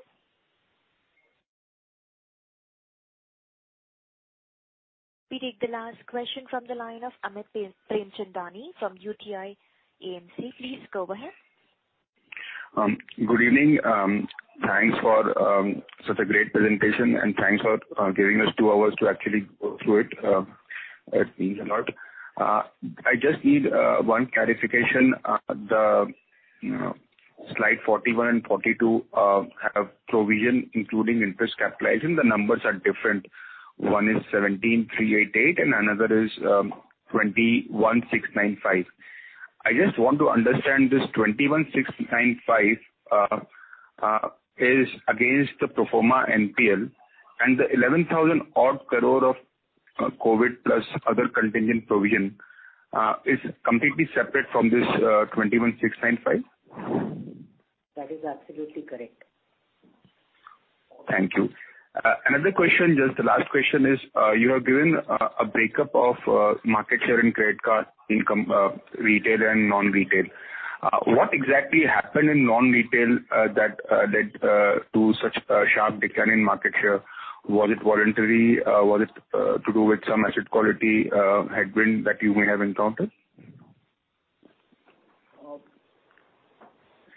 We take the last question from the line of Amit Premchandani from UTI AMC. Please go ahead. Good evening. Thanks for such a great presentation, and thanks for giving us 2 hours to actually go through it. It means a lot. I just need one clarification. You know, slide 41 and 42 have provision, including interest capitalizing, the numbers are different. One is 17,388 crore, and another is 21,695 crore. I just want to understand this 21,695 crore is against the pro forma NPL, and the 11,000-odd crore of COVID plus other contingent provision is completely separate from this 21,695 crore? That is absolutely correct. Thank you. Another question, just the last question is, you have given a breakup of market share and credit card income, retail and non-retail. What exactly happened in non-retail that led to such a sharp decline in market share? Was it voluntary? Was it to do with some asset quality headwind that you may have encountered?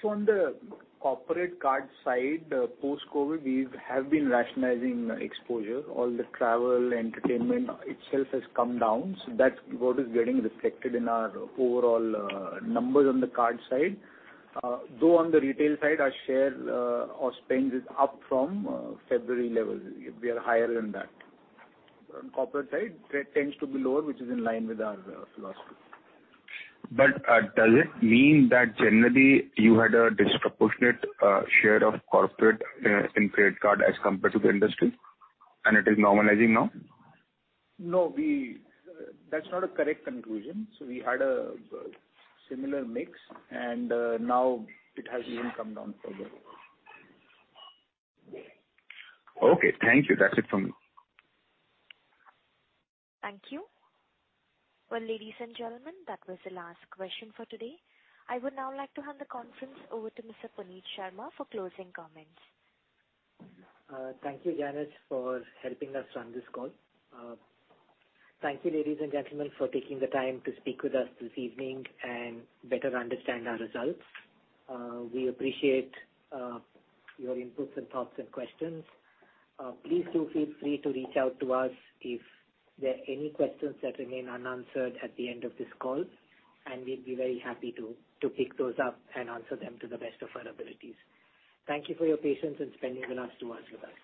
So on the corporate card side, post-COVID, we have been rationalizing exposure. All the travel, entertainment itself has come down, so that's what is getting reflected in our overall numbers on the card side. Though, on the retail side, our share of spend is up from February levels. We are higher than that. On corporate side, that tends to be lower, which is in line with our philosophy. Does it mean that generally you had a disproportionate share of corporate in credit card as compared to the industry, and it is normalizing now? No, we... That's not a correct conclusion. So we had a similar mix, and, now it has even come down further. Okay, thank you. That's it from me. Thank you. Well, ladies and gentlemen, that was the last question for today. I would now like to hand the conference over to Mr. Puneet Sharma for closing comments. Thank you, Janice, for helping us run this call. Thank you, ladies and gentlemen, for taking the time to speak with us this evening and better understand our results. We appreciate, your inputs and thoughts and questions. Please do feel free to reach out to us if there are any questions that remain unanswered at the end of this call, and we'd be very happy to, to pick those up and answer them to the best of our abilities. Thank you for your patience and spending the last two hours with us.